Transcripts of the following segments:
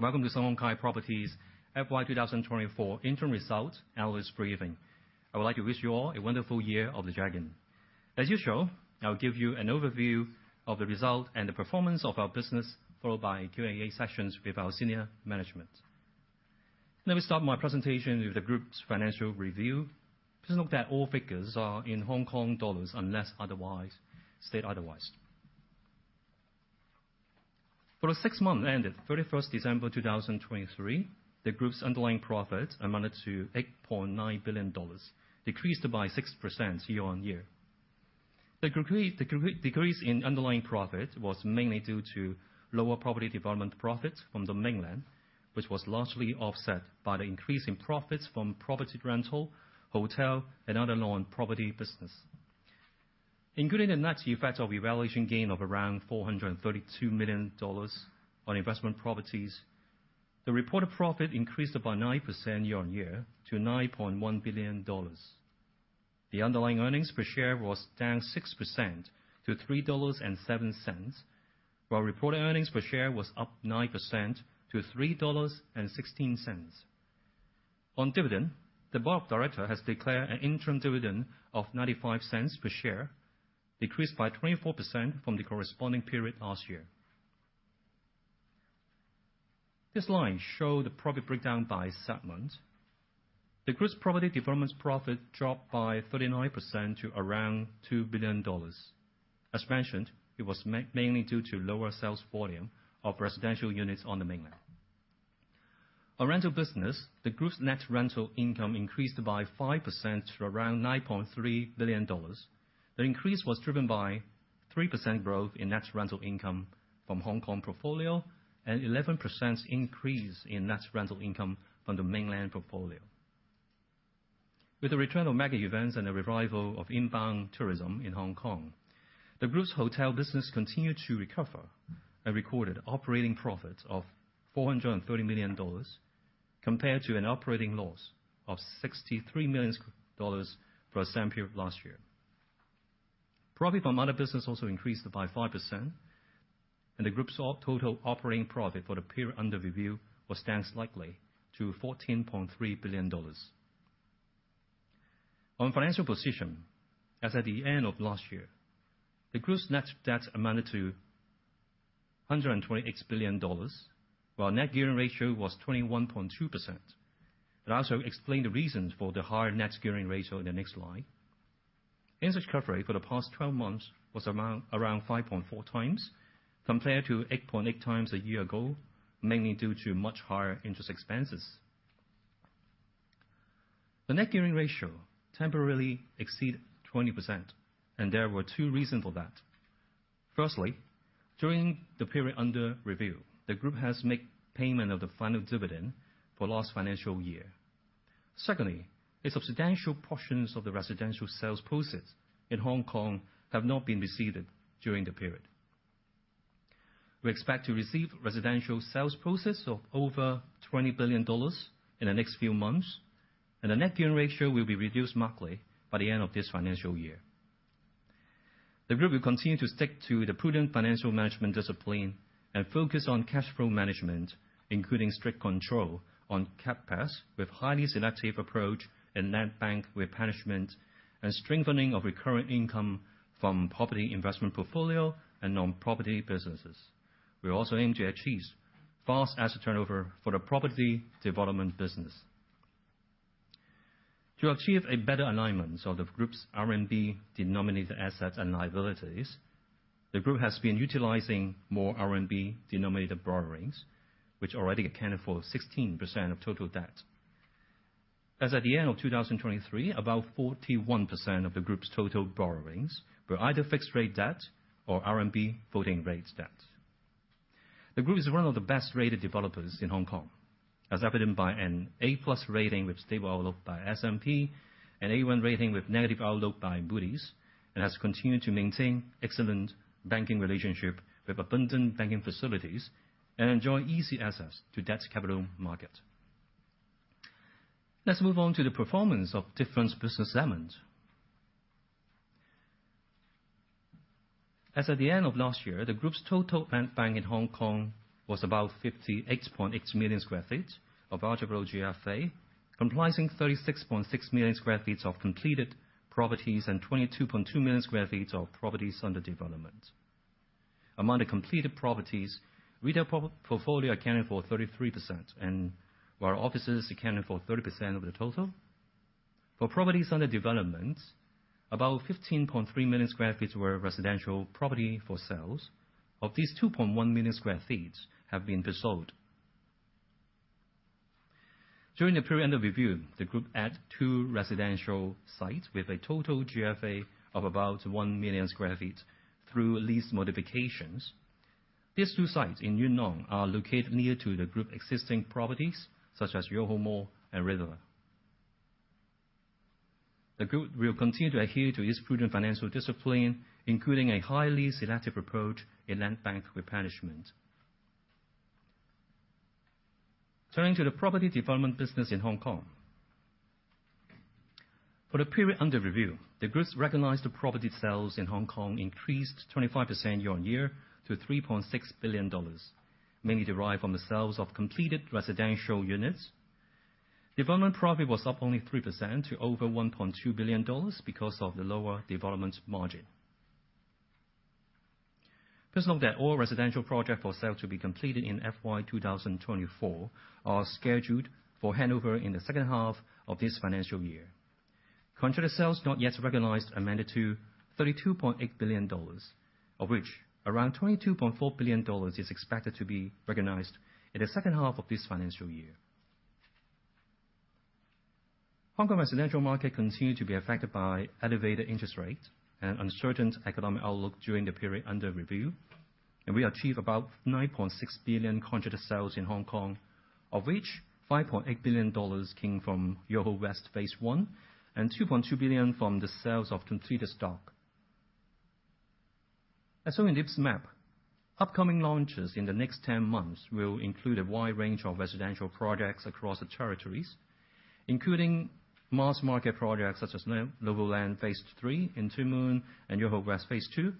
Welcome to Sun Hung Kai Properties FY24 interim results analyst briefing. I would like to wish you all a wonderful year of the Dragon. As usual, I will give you an overview of the result and the performance of our business, followed by Q&A sessions with our senior management. Let me start my presentation with the group's financial review. Please note that all figures are in Hong Kong dollars unless otherwise stated otherwise. For the six months ended 31st December 2023, the group's Underlying Profit amounted to 8.9 billion dollars, decreased by 6% year-over-year. The decrease in Underlying Profit was mainly due to lower property development profits from the mainland, which was largely offset by the increase in profits from property rental, hotel, and other non-property business. Including the net effect of a valuation gain of around 432 million dollars on investment properties, the reported profit increased by 9% year-on-year to 9.1 billion dollars. The underlying earnings per share was down 6% to 3.07 dollars, while reported earnings per share was up 9% to 3.16 dollars. On dividend, the board of directors has declared an interim dividend of 0.95 per share, decreased by 24% from the corresponding period last year. This line shows the profit breakdown by segment. The group's property development profit dropped by 39% to around 2 billion dollars. As mentioned, it was mainly due to lower sales volume of residential units on the mainland. On rental business, the group's net rental income increased by 5% to around 9.3 billion dollars. The increase was driven by 3% growth in net rental income from Hong Kong portfolio and an 11% increase in net rental income from the mainland portfolio. With the return of mega events and the revival of inbound tourism in Hong Kong, the group's hotel business continued to recover and recorded operating profits of 430 million dollars compared to an operating loss of 63 million dollars for the same period last year. Profit from other business also increased by 5%, and the group's total operating profit for the period under review was down slightly to HKD 14.3 billion. On financial position, as at the end of last year, the group's net debt amounted to 126 billion dollars, while net gearing ratio was 21.2%. I'll also explain the reasons for the higher net gearing ratio in the next line. Interest coverage for the past 12 months was around 5.4 times compared to 8.8 times a year ago, mainly due to much higher interest expenses. The net gearing ratio temporarily exceeded 20%, and there were two reasons for that. Firstly, during the period under review, the group has made payment of the final dividend for last financial year. Secondly, a substantial portion of the residential sales proceeds in Hong Kong have not been received during the period. We expect to receive residential sales proceeds of over 20 billion dollars in the next few months, and the net gearing ratio will be reduced markedly by the end of this financial year. The group will continue to stick to the prudent financial management discipline and focus on cash flow management, including strict control on CapEx with a highly selective approach and net debt with prudence and strengthening of recurrent income from property investment portfolio and non-property businesses. We also aim to achieve fast asset turnover for the property development business. To achieve a better alignment of the group's RMB denominated assets and liabilities, the group has been utilizing more RMB denominated borrowings, which already accounted for 16% of total debt. As at the end of 2023, about 41% of the group's total borrowings were either fixed-rate debt or RMB floating-rate debt. The group is one of the best-rated developers in Hong Kong, as evident by an A+ rating with stable outlook by S&P, an A1 rating with negative outlook by Moody's, and has continued to maintain excellent banking relationships with abundant banking facilities and enjoy easy access to debt capital markets. Let's move on to the performance of different business segments. As at the end of last year, the group's total land bank in Hong Kong was about 58.8 million sq ft of attributable GFA, comprising 36.6 million sq ft of completed properties and 22.2 million sq ft of properties under development. Among the completed properties, retail portfolio accounted for 33%, while offices accounted for 30% of the total. For properties under development, about 15.3 million sq ft were residential property for sales. Of these, 2.1 million sq ft have been sold. During the period under review, the group had two residential sites with a total GFA of about 1 million sq ft through lease modifications. These two sites in Yuen Long are located near to the group's existing properties, such as YOHO Mall and River. The group will continue to adhere to its prudent financial discipline, including a highly selective approach in land bank acquisition. Turning to the property development business in Hong Kong. For the period under review, the group's recognized property sales in Hong Kong increased 25% year-on-year to 3.6 billion dollars, mainly derived from the sales of completed residential units. Development profit was up only 3% to over 1.2 billion dollars because of the lower development margin. Please note that all residential projects for sale to be completed in FY24 are scheduled for handover in the second half of this financial year. Contracted sales not yet recognized amounted to HKD 32.8 billion, of which around HKD 22.4 billion is expected to be recognized in the second half of this financial year. Hong Kong residential market continued to be affected by elevated interest rates and uncertain economic outlook during the period under review, and we achieved about 9.6 billion contracted sales in Hong Kong, of which 5.8 billion dollars came from YOHO WEST Phase I and 2.2 billion from the sales of completed stock. As seen in this map, upcoming launches in the next 10 months will include a wide range of residential projects across the territories, including mass market projects such as NOVO LAND Phase III in Tuen Mun and YOHO WEST Phase II,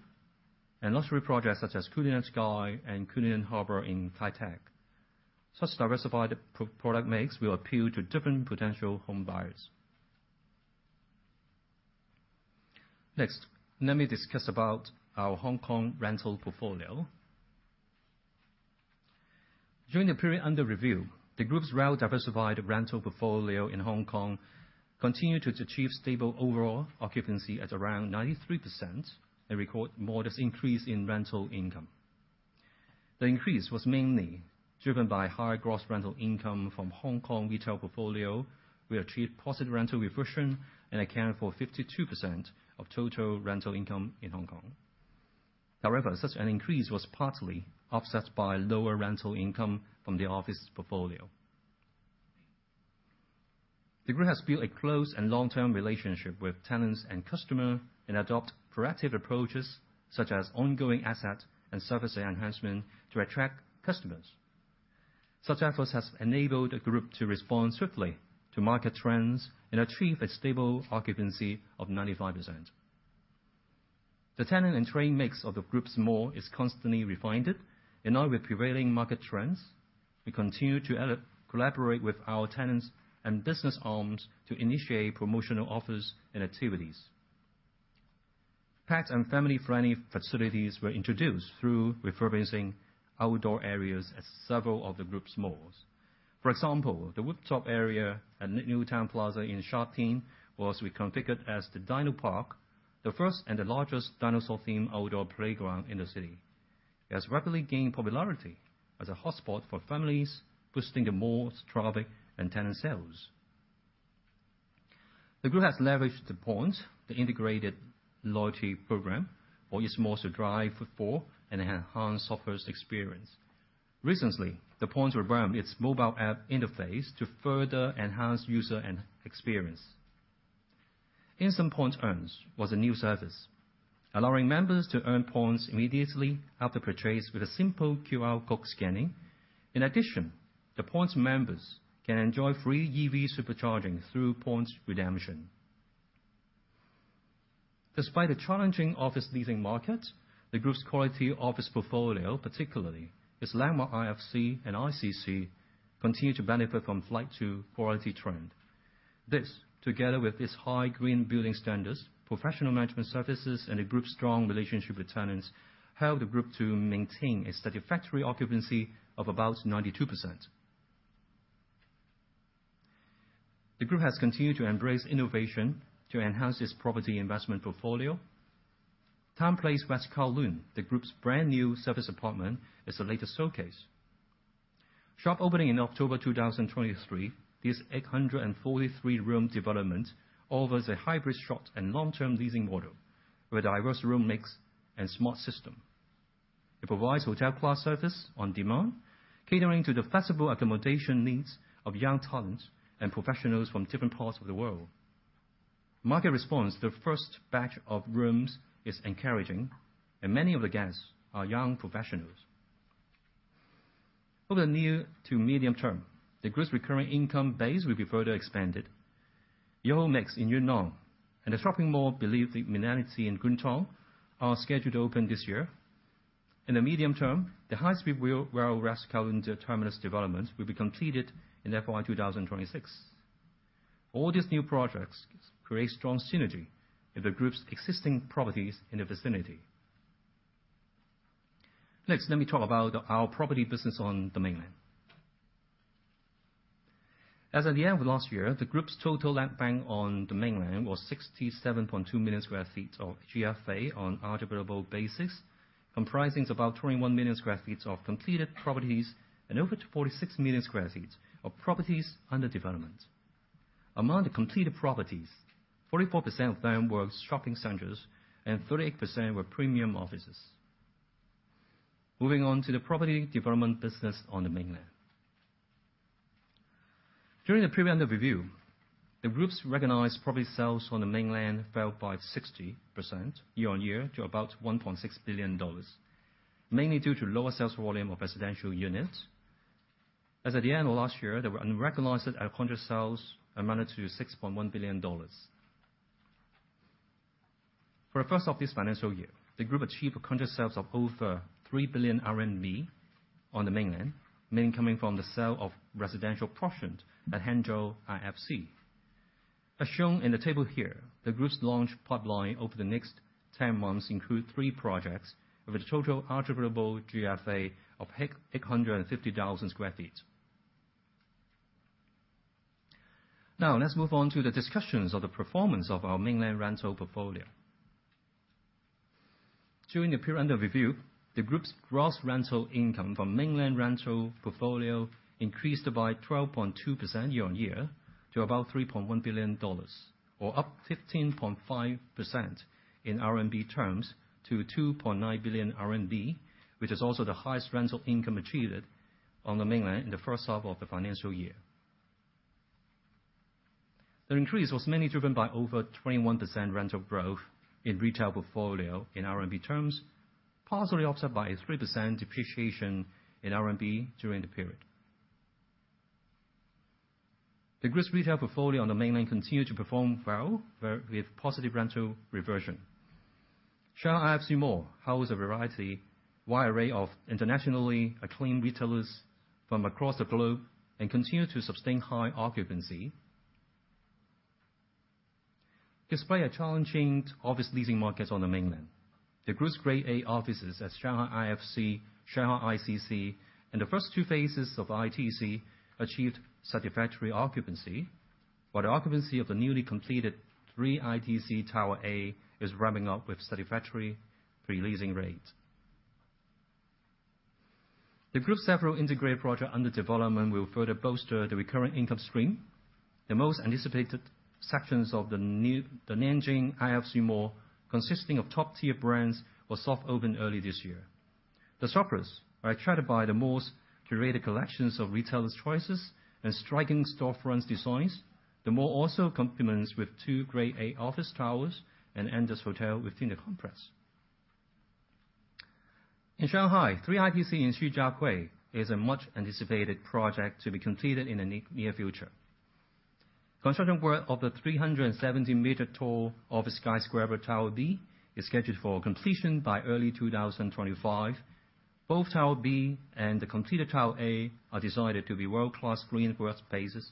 and luxury projects such as Cullinan Sky and Cullinan Harbour in Kai Tak. Such diversified product mix will appeal to different potential home buyers. Next, let me discuss about our Hong Kong rental portfolio. During the period under review, the group's well-diversified rental portfolio in Hong Kong continued to achieve stable overall occupancy at around 93% and recorded a modest increase in rental income. The increase was mainly driven by higher gross rental income from Hong Kong retail portfolio, which achieved positive rental refreshment and accounted for 52% of total rental income in Hong Kong. However, such an increase was partly offset by lower rental income from the office portfolio. The group has built a close and long-term relationship with tenants and customers and adopted proactive approaches such as ongoing asset and services enhancement to attract customers. Such efforts have enabled the group to respond swiftly to market trends and achieve a stable occupancy of 95%. The tenant and trade mix of the group's malls is constantly refined, and in line with prevailing market trends, we continue to collaborate with our tenants and business arms to initiate promotional offers and activities. Pet and family-friendly facilities were introduced through refurbishing outdoor areas at several of the group's malls. For example, the rooftop area at New Town Plaza in Sha Tin was reconfigured as the Dino Park, the first and the largest dinosaur-themed outdoor playground in the city. It has rapidly gained popularity as a hotspot for families, boosting the mall's traffic and tenant sales. The group has leveraged The Point integrated loyalty program for its malls to drive footfall and enhance shopper experience. Recently, The Point rebranded its mobile app interface to further enhance user experience. Instant Point Earn was a new service, allowing members to earn points immediately after purchase with a simple QR code scanning. In addition, the Points members can enjoy free EV supercharging through Points Redemption. Despite the challenging office leasing market, the group's quality office portfolio, particularly its landmark IFC and ICC, continue to benefit from flight to quality trends. This, together with its high green building standards, professional management services, and the group's strong relationship with tenants, helped the group to maintain a satisfactory occupancy of about 92%. The group has continued to embrace innovation to enhance its property investment portfolio. Townplace West Kowloon, the group's brand-new service apartment, is the latest showcase. Soft opening in October 2023, this 843-room development offers a hybrid short and long-term leasing model with a diverse room mix and smart system. It provides hotel-class service on demand, catering to the flexible accommodation needs of young talents and professionals from different parts of the world. Market response to the first batch of rooms is encouraging, and many of the guests are young professionals. Over the near to medium term, the group's recurring income base will be further expanded. YOHO MIX in Yuen Long and the shopping mall, beneath The Millennity in Kwun Tong, are scheduled to open this year. In the medium term, the high-speed rail West Kowloon terminus development will be completed in FY26. All these new projects create strong synergy with the group's existing properties in the vicinity. Next, let me talk about our property business on the mainland. As at the end of last year, the group's total land bank on the mainland was 67.2 million sq ft of GFA on attributable basis, comprising about 21 million sq ft of completed properties and over 46 million sq ft of properties under development. Among the completed properties, 44% of them were shopping centers and 38% were premium offices. Moving on to the property development business on the mainland. During the period under review, the group's recognized property sales on the mainland fell by 60% year-over-year to about 1.6 billion dollars, mainly due to lower sales volume of residential units. As at the end of last year, there were unrecognized advance sales amounted to HKD 6.1 billion. For the first of this financial year, the group achieved advance sales of over 3 billion RMB on the mainland, mainly coming from the sale of residential portions at Hangzhou IFC. As shown in the table here, the group's launch pipeline over the next 10 months includes three projects with a total attributable GFA of 850,000 sq ft. Now, let's move on to the discussions of the performance of our mainland rental portfolio. During the period under review, the group's gross rental income from mainland rental portfolio increased by 12.2% year-on-year to about HKD 3.1 billion, or up 15.5% in RMB terms to 2.9 billion RMB, which is also the highest rental income achieved on the mainland in the first half of the financial year. The increase was mainly driven by over 21% rental growth in retail portfolio in RMB terms, partially offset by a 3% depreciation in RMB during the period. The group's retail portfolio on the mainland continued to perform well with positive rental reversion. Shanghai IFC Mall housed a wide array of internationally acclaimed retailers from across the globe and continued to sustain high occupancy. Despite a challenging office leasing market on the mainland, the group's Grade A offices at Shanghai IFC, Shanghai ICC, and the first two phases of Three ITC achieved satisfactory occupancy, while the occupancy of the newly completed Three ITC Tower A is ramping up with satisfactory pre-leasing rates. The group's several integrated projects under development will further bolster the recurring income stream. The most anticipated sections of the Nanjing IFC Mall, consisting of top-tier brands, were soft-opened early this year. The shoppers are attracted by the mall's curated collections of retailers' choices and striking storefront designs. The mall also complements with two Grade A office towers and Andaz Hotel within the complex. In Shanghai, Three ITC in Xujiahui is a much-anticipated project to be completed in the near future. Construction work of the 370-meter-tall office skyscraper Tower B is scheduled for completion by early 2025. Both Tower B and the completed Tower A are designed to be world-class green growth spaces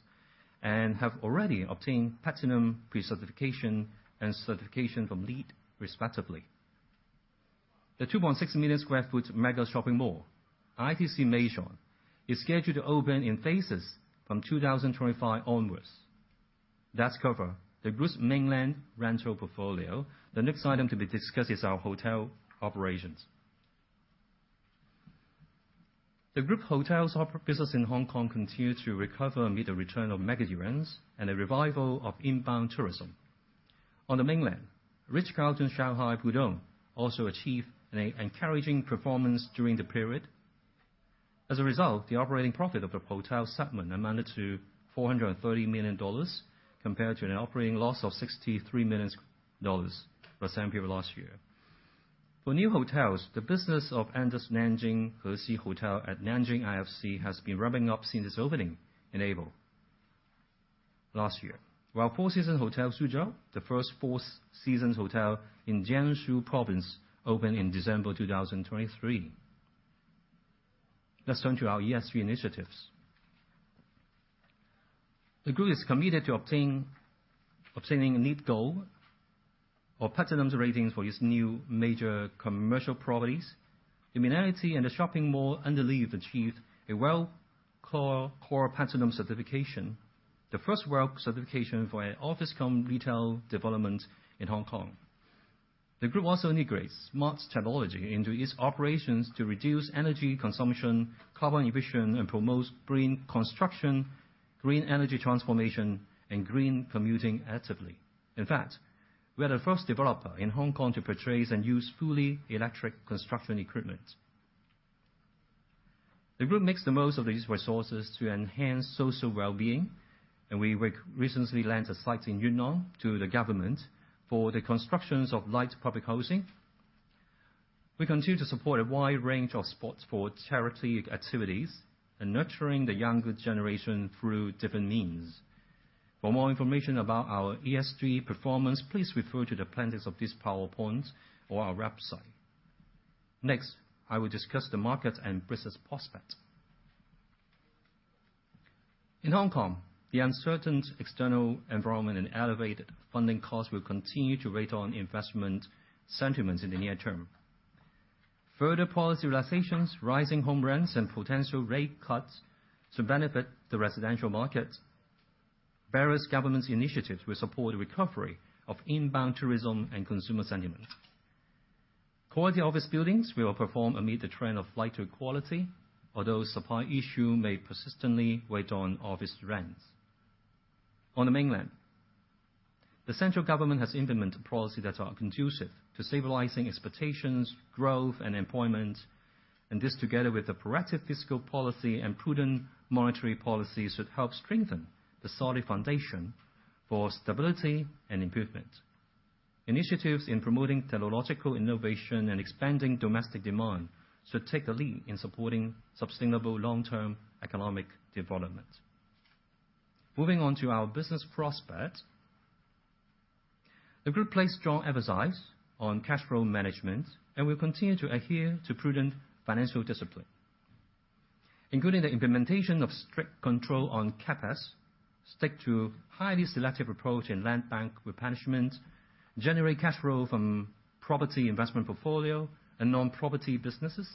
and have already obtained platinum pre-certification and certification from LEED, respectively. The 2.6 million sq ft mega shopping mall, ITC Maison, is scheduled to open in phases from 2025 onwards. That's covered the group's mainland rental portfolio. The next item to be discussed is our hotel operations. The group's hotels' business in Hong Kong continued to recover amid the return of mega events and the revival of inbound tourism. On the mainland, Ritz-Carlton Shanghai Pudong also achieved an encouraging performance during the period. As a result, the operating profit of the hotel segment amounted to 430 million dollars compared to an operating loss of 63 million dollars per cent per year last year. For new hotels, the business of Andaz Nanjing Hexi Hotel at Nanjing IFC has been ramping up since its opening in April last year, while Four Seasons Hotel Xuzhou, the first Four Seasons hotel in Jiangsu Province, opened in December 2023. Let's turn to our ESG initiatives. The group is committed to obtaining a LEED goal of platinum ratings for its new major commercial properties. The Millennity and the Shopping Mall underneath achieved a WELL core platinum certification, the first WELL certification for an office-cum retail development in Hong Kong. The group also integrates smart technology into its operations to reduce energy consumption, carbon emissions, and promote green construction, green energy transformation, and green commuting actively. In fact, we are the first developer in Hong Kong to purchase and use fully electric construction equipment. The group makes the most of these resources to enhance social well-being, and we recently lent a site in Yuen Long to the government for the construction of light public housing. We continue to support a wide range of sports-for-charity activities and nurturing the younger generation through different means. For more information about our ESG performance, please refer to the appendix of this PowerPoint or our website. Next, I will discuss the market and business prospects. In Hong Kong, the uncertain external environment and elevated funding costs will continue to weigh on investment sentiment in the near term. Further policy relaxations, rising home rents, and potential rate cuts will benefit the residential market. Various government initiatives will support the recovery of inbound tourism and consumer sentiment. Quality office buildings will perform amid the trend of flight to quality, although supply issues may persistently weigh on office rents. On the mainland, the central government has implemented policies that are conducive to stabilizing expectations, growth, and employment. And this, together with the proactive fiscal policy and prudent monetary policy, should help strengthen the solid foundation for stability and improvement. Initiatives in promoting technological innovation and expanding domestic demand should take the lead in supporting sustainable long-term economic development. Moving on to our business prospects, the group places strong emphasis on cash flow management and will continue to adhere to prudent financial discipline, including the implementation of strict control on CapEx, sticking to a highly selective approach in land bank replenishment, generating cash flow from property investment portfolio and non-property businesses,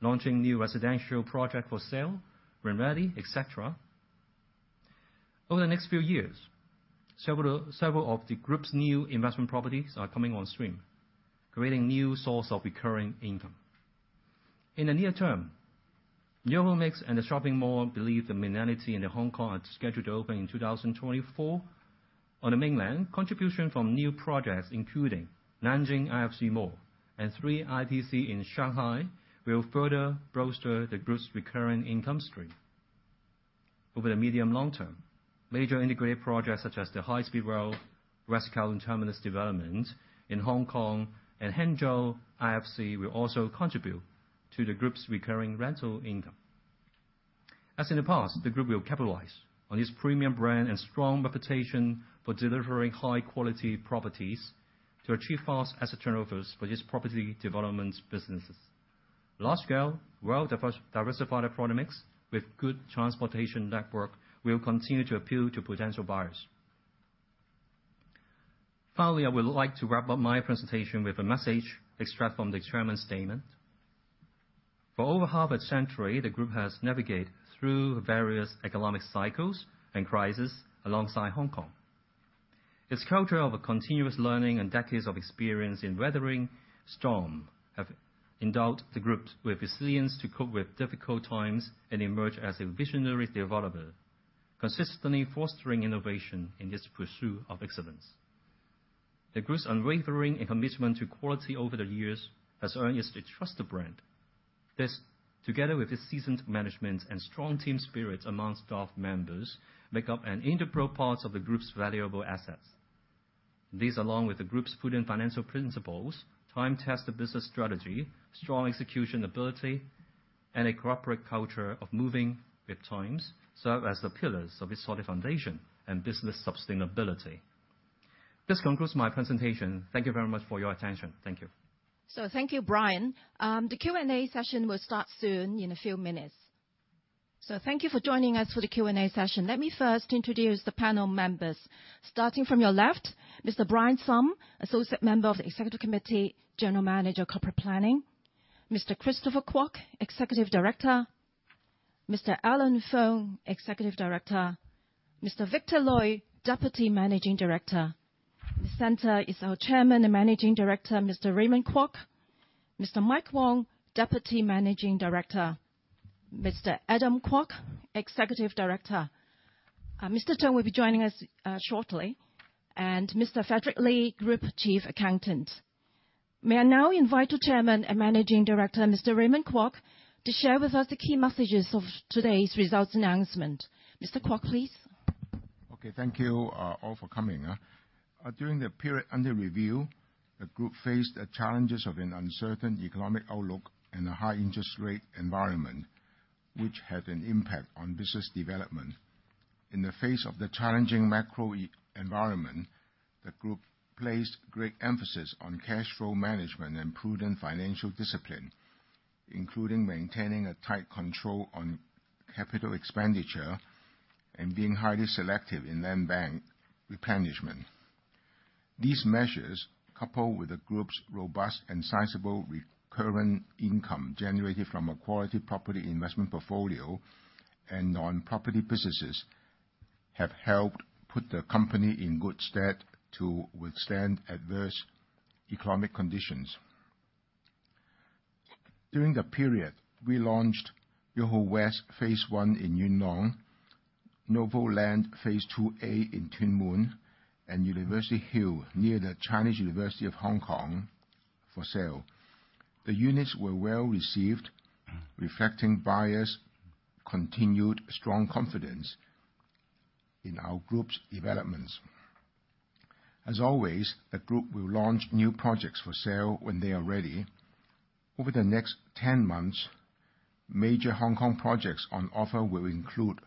launching new residential projects for sale, renovating, etc. Over the next few years, several of the group's new investment properties are coming on stream, creating new sources of recurring income. In the near term, YOHO MIX and the shopping mall below The Millennity in Hong Kong are scheduled to open in 2024. On the mainland, contributions from new projects, including Nanjing IFC Mall and Three ITC in Shanghai, will further bolster the group's recurring income stream. Over the medium-long term, major integrated projects such as the high-speed rail West Kowloon terminus development in Hong Kong and Hangzhou IFC will also contribute to the group's recurring rental income. As in the past, the group will capitalize on its premium brand and strong reputation for delivering high-quality properties to achieve fast asset turnovers for its property development businesses. Large-scale, well-diversified economies with good transportation networks will continue to appeal to potential buyers. Finally, I would like to wrap up my presentation with a message extracted from the experiment statement. For over half a century, the group has navigated through various economic cycles and crises alongside Hong Kong. Its culture of continuous learning and decades of experience in weathering storms have endowed the group with resilience to cope with difficult times and emerge as a visionary developer, consistently fostering innovation in its pursuit of excellence. The group's unwavering commitment to quality over the years has earned it a trusted brand. This, together with its seasoned management and strong team spirit among staff members, makes up an integral part of the group's valuable assets. These, along with the group's prudent financial principles, time-tested business strategy, strong execution ability, and a corporate culture of moving with times, serve as the pillars of its solid foundation and business sustainability. This concludes my presentation. Thank you very much for your attention. Thank you. So thank you, Brian. The Q&A session will start soon in a few minutes. So thank you for joining us for the Q&A session. Let me first introduce the panel members. Starting from your left, Mr. Brian Sum, Associate member of the Executive Committee, General Manager Corporate Planning. Mr. Christopher Kwok, Executive Director. Mr. Allen Fung, Executive Director. Mr. Victor Lui, Deputy Managing Director. In the center is our Chairman and Managing Director, Mr. Raymond Kwok. Mr. Mike Wong, Deputy Managing Director. Mr. Adam Kwok, Executive Director. Mr. Chung will be joining us shortly, and Mr. Frederick Lee, Group Chief Accountant. May I now invite the Chairman and Managing Director, Mr. Raymond Kwok, to share with us the key messages of today's results announcement. Mr. Kwok, please. Okay. Thank you all for coming. During the period under review, the group faced the challenges of an uncertain economic outlook and a high-interest-rate environment, which had an impact on business development. In the face of the challenging macro environment, the group placed great emphasis on cash flow management and prudent financial discipline, including maintaining a tight control on capital expenditure and being highly selective in Land Bank replenishment. These measures, coupled with the group's robust and sizable recurring income generated from a quality property investment portfolio and non-property businesses, have helped put the company in good stead to withstand adverse economic conditions. During the period, we launched YOHO West Phase I in Yuen Long, NOVO LAND Phase II A in Tuen Mun, and University Hill near the Chinese University of Hong Kong for sale. The units were well received, reflecting buyers' continued strong confidence in our group's developments. As always, the group will launch new projects for sale when they are ready. Over the next 10 months, major Hong Kong projects on offer will include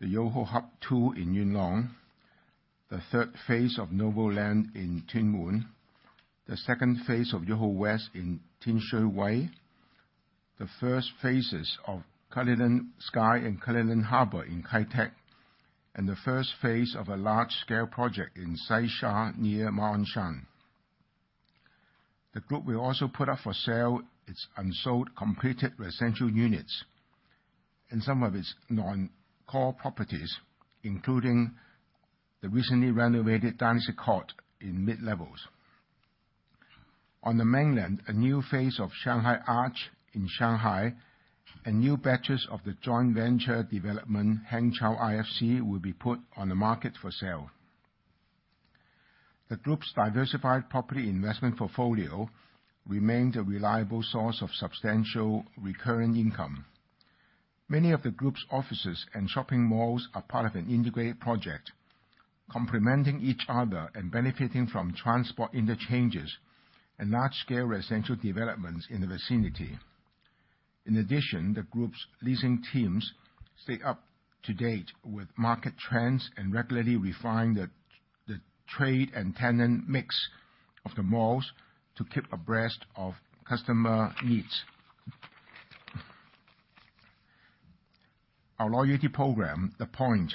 The YOHO Hub II in Yuen Long, the third phase of NOVO LAND in Tuen Mun, the second phase of YOHO WEST in Tin Shui Wai, the first phases of Cullinan Sky and Cullinan Harbour in Kai Tak, and the first phase of a large-scale project in Sai Sha near Ma On Shan. The group will also put up for sale its unsold completed residential units and some of its non-core properties, including the recently renovated Dynasty Court in Mid-Levels. On the mainland, a new phase of Shanghai Arch in Shanghai and new batches of the joint venture development Hangzhou IFC will be put on the market for sale. The group's diversified property investment portfolio remains a reliable source of substantial recurring income. Many of the group's offices and shopping malls are part of an integrated project, complementing each other and benefiting from transport interchanges and large-scale residential developments in the vicinity. In addition, the group's leasing teams stay up to date with market trends and regularly refine the trade and tenant mix of the malls to keep abreast of customer needs. Our loyalty program, The Point,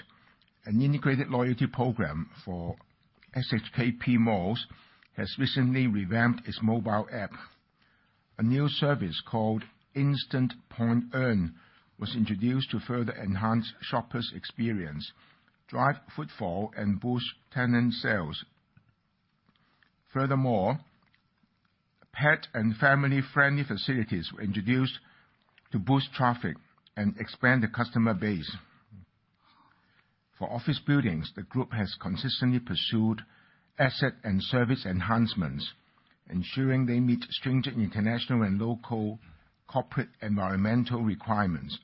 an integrated loyalty program for SHKP malls, has recently revamped its mobile app. A new service called Instant Point Earn was introduced to further enhance shoppers' experience, drive footfall, and boost tenant sales. Furthermore, pet and family-friendly facilities were introduced to boost traffic and expand the customer base. For office buildings, the group has consistently pursued asset and service enhancements, ensuring they meet stringent international and local corporate environmental requirements.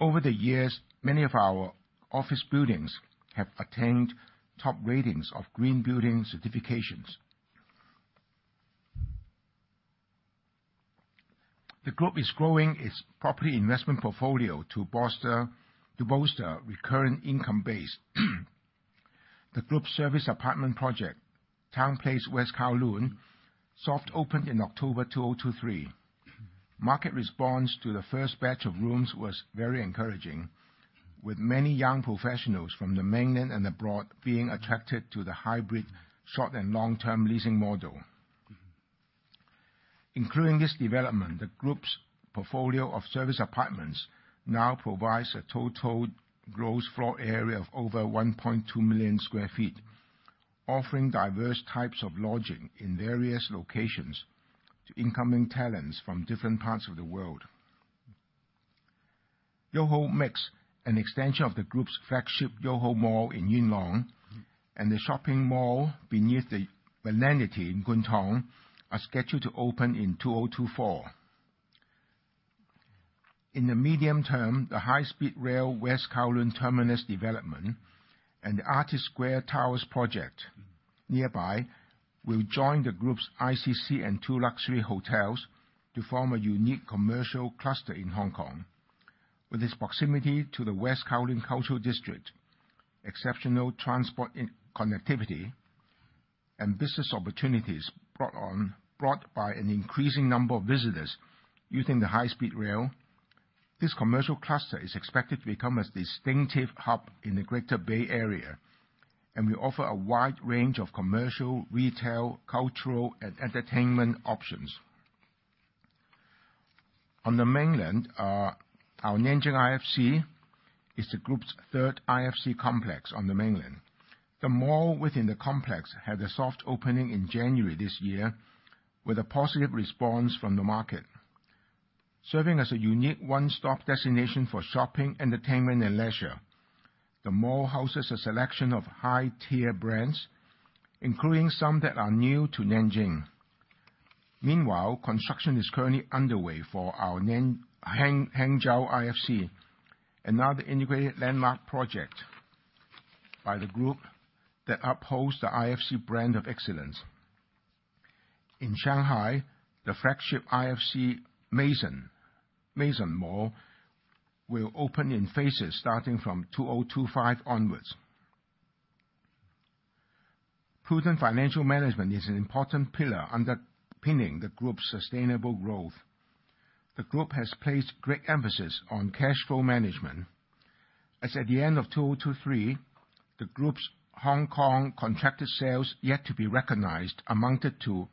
Over the years, many of our office buildings have attained top ratings of green building certifications. The group is growing its property investment portfolio to bolster recurring income base. The group's service apartment project, TOWNPLACE WEST KOWLOON, soft-opened in October 2023. Market response to the first batch of rooms was very encouraging, with many young professionals from the mainland and abroad being attracted to the hybrid short and long-term leasing model. Including this development, the group's portfolio of service apartments now provides a total gross floor area of over 1.2 million sq ft, offering diverse types of lodging in various locations to incoming talents from different parts of the world. YOHO MIX, an extension of the group's flagship YOHO Mall in Yuen Long, and the shopping mall beneath The Millennity in Kwun Tong, are scheduled to open in 2024. In the medium term, the high-speed rail West Kowloon terminus development and the Artist Square Towers project nearby will join the group's ICC and two luxury hotels to form a unique commercial cluster in Hong Kong. With its proximity to the West Kowloon Cultural District, exceptional transport connectivity, and business opportunities brought by an increasing number of visitors using the high-speed rail, this commercial cluster is expected to become a distinctive hub in the Greater Bay Area, and will offer a wide range of commercial, retail, cultural, and entertainment options. On the mainland, our Nanjing IFC is the group's third IFC complex on the mainland. The mall within the complex had a soft opening in January this year with a positive response from the market. Serving as a unique one-stop destination for shopping, entertainment, and leisure, the mall houses a selection of high-tier brands, including some that are new to Nanjing. Meanwhile, construction is currently underway for our Hangzhou IFC, another integrated landmark project by the group that upholds the IFC brand of excellence. In Shanghai, the flagship IFC Mall will open in phases starting from 2025 onwards. Prudent financial management is an important pillar underpinning the group's sustainable growth. The group has placed great emphasis on cash flow management, as at the end of 2023, the group's Hong Kong contracted sales yet to be recognized amounted to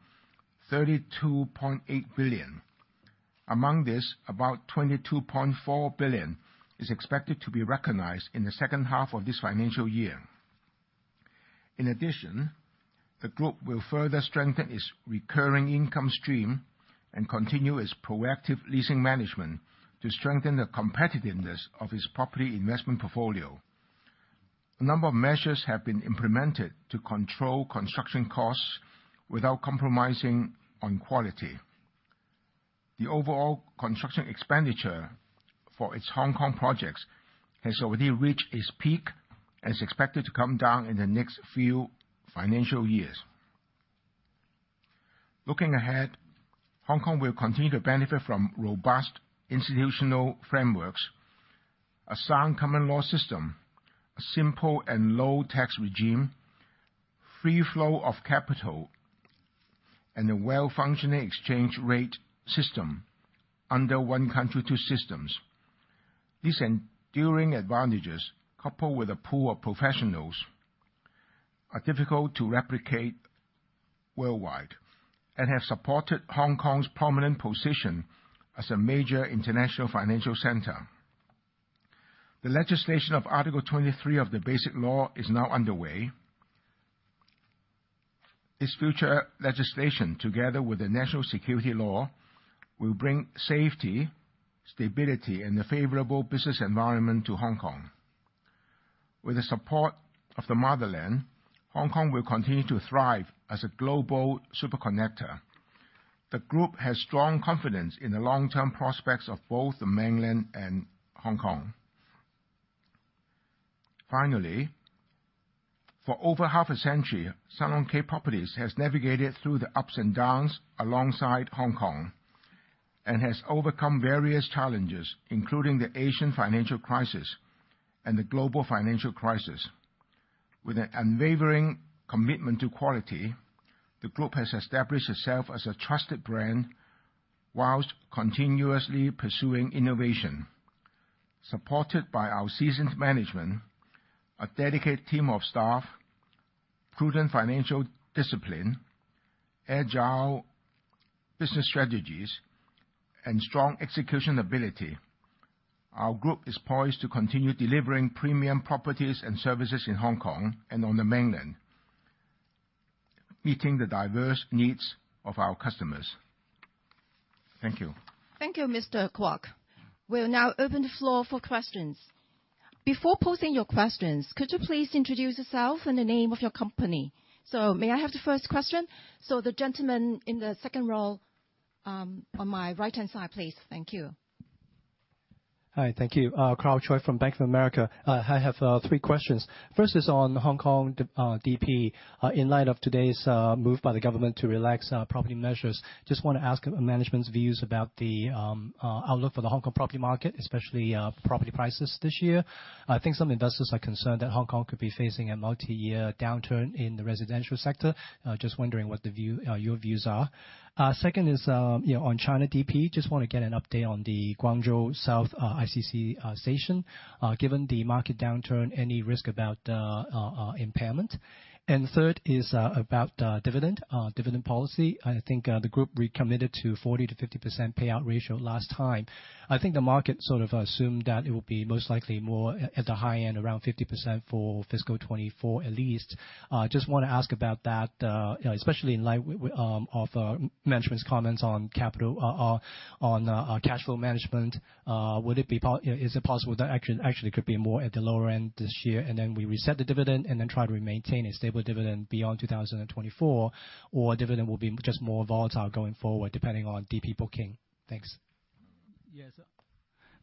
32.8 billion. Among this, about 22.4 billion is expected to be recognized in the second half of this financial year. In addition, the group will further strengthen its recurring income stream and continue its proactive leasing management to strengthen the competitiveness of its property investment portfolio. A number of measures have been implemented to control construction costs without compromising on quality. The overall construction expenditure for its Hong Kong projects has already reached its peak and is expected to come down in the next few financial years. Looking ahead, Hong Kong will continue to benefit from robust institutional frameworks, a sound common law system, a simple and low-tax regime, free flow of capital, and a well-functioning exchange rate system under one country, two systems. These enduring advantages, coupled with a pool of professionals, are difficult to replicate worldwide and have supported Hong Kong's prominent position as a major international financial center. The legislation of Article 23 of the Basic Law is now underway. Its future legislation, together with the national security law, will bring safety, stability, and a favorable business environment to Hong Kong. With the support of the motherland, Hong Kong will continue to thrive as a global superconnector. The group has strong confidence in the long-term prospects of both the mainland and Hong Kong. Finally, for over half a century, Sun Hung Kai Properties has navigated through the ups and downs alongside Hong Kong and has overcome various challenges, including the Asian financial crisis and the global financial crisis. With an unwavering commitment to quality, the group has established itself as a trusted brand while continuously pursuing innovation. Supported by our seasoned management, a dedicated team of staff, prudent financial discipline, agile business strategies, and strong execution ability, our group is poised to continue delivering premium properties and services in Hong Kong and on the mainland, meeting the diverse needs of our customers. Thank you. Thank you, Mr. Kwok. We'll now open the floor for questions. Before posing your questions, could you please introduce yourself and the name of your company? May I have the first question? The gentleman in the second row on my right-hand side, please. Thank you. Hi. Thank you. Carl Choi from Bank of America. I have three questions. First is on Hong Kong DP. In light of today's move by the government to relax property measures, just want to ask management's views about the outlook for the Hong Kong property market, especially property prices this year. I think some investors are concerned that Hong Kong could be facing a multi-year downturn in the residential sector. Just wondering what your views are. Second is on China DP. Just want to get an update on the Guangzhou South Station ICC. Given the market downturn, any risk about impairment? And third is about dividend policy. I think the group recommitted to 40%-50% payout ratio last time. I think the market sort of assumed that it would be most likely more at the high end, around 50% for fiscal 2024 at least. Just want to ask about that, especially in light of management's comments on cash flow management. Is it possible that actually it could be more at the lower end this year, and then we reset the dividend and then try to maintain a stable dividend beyond 2024, or dividend will be just more volatile going forward depending on DP booking? Thanks. Yes.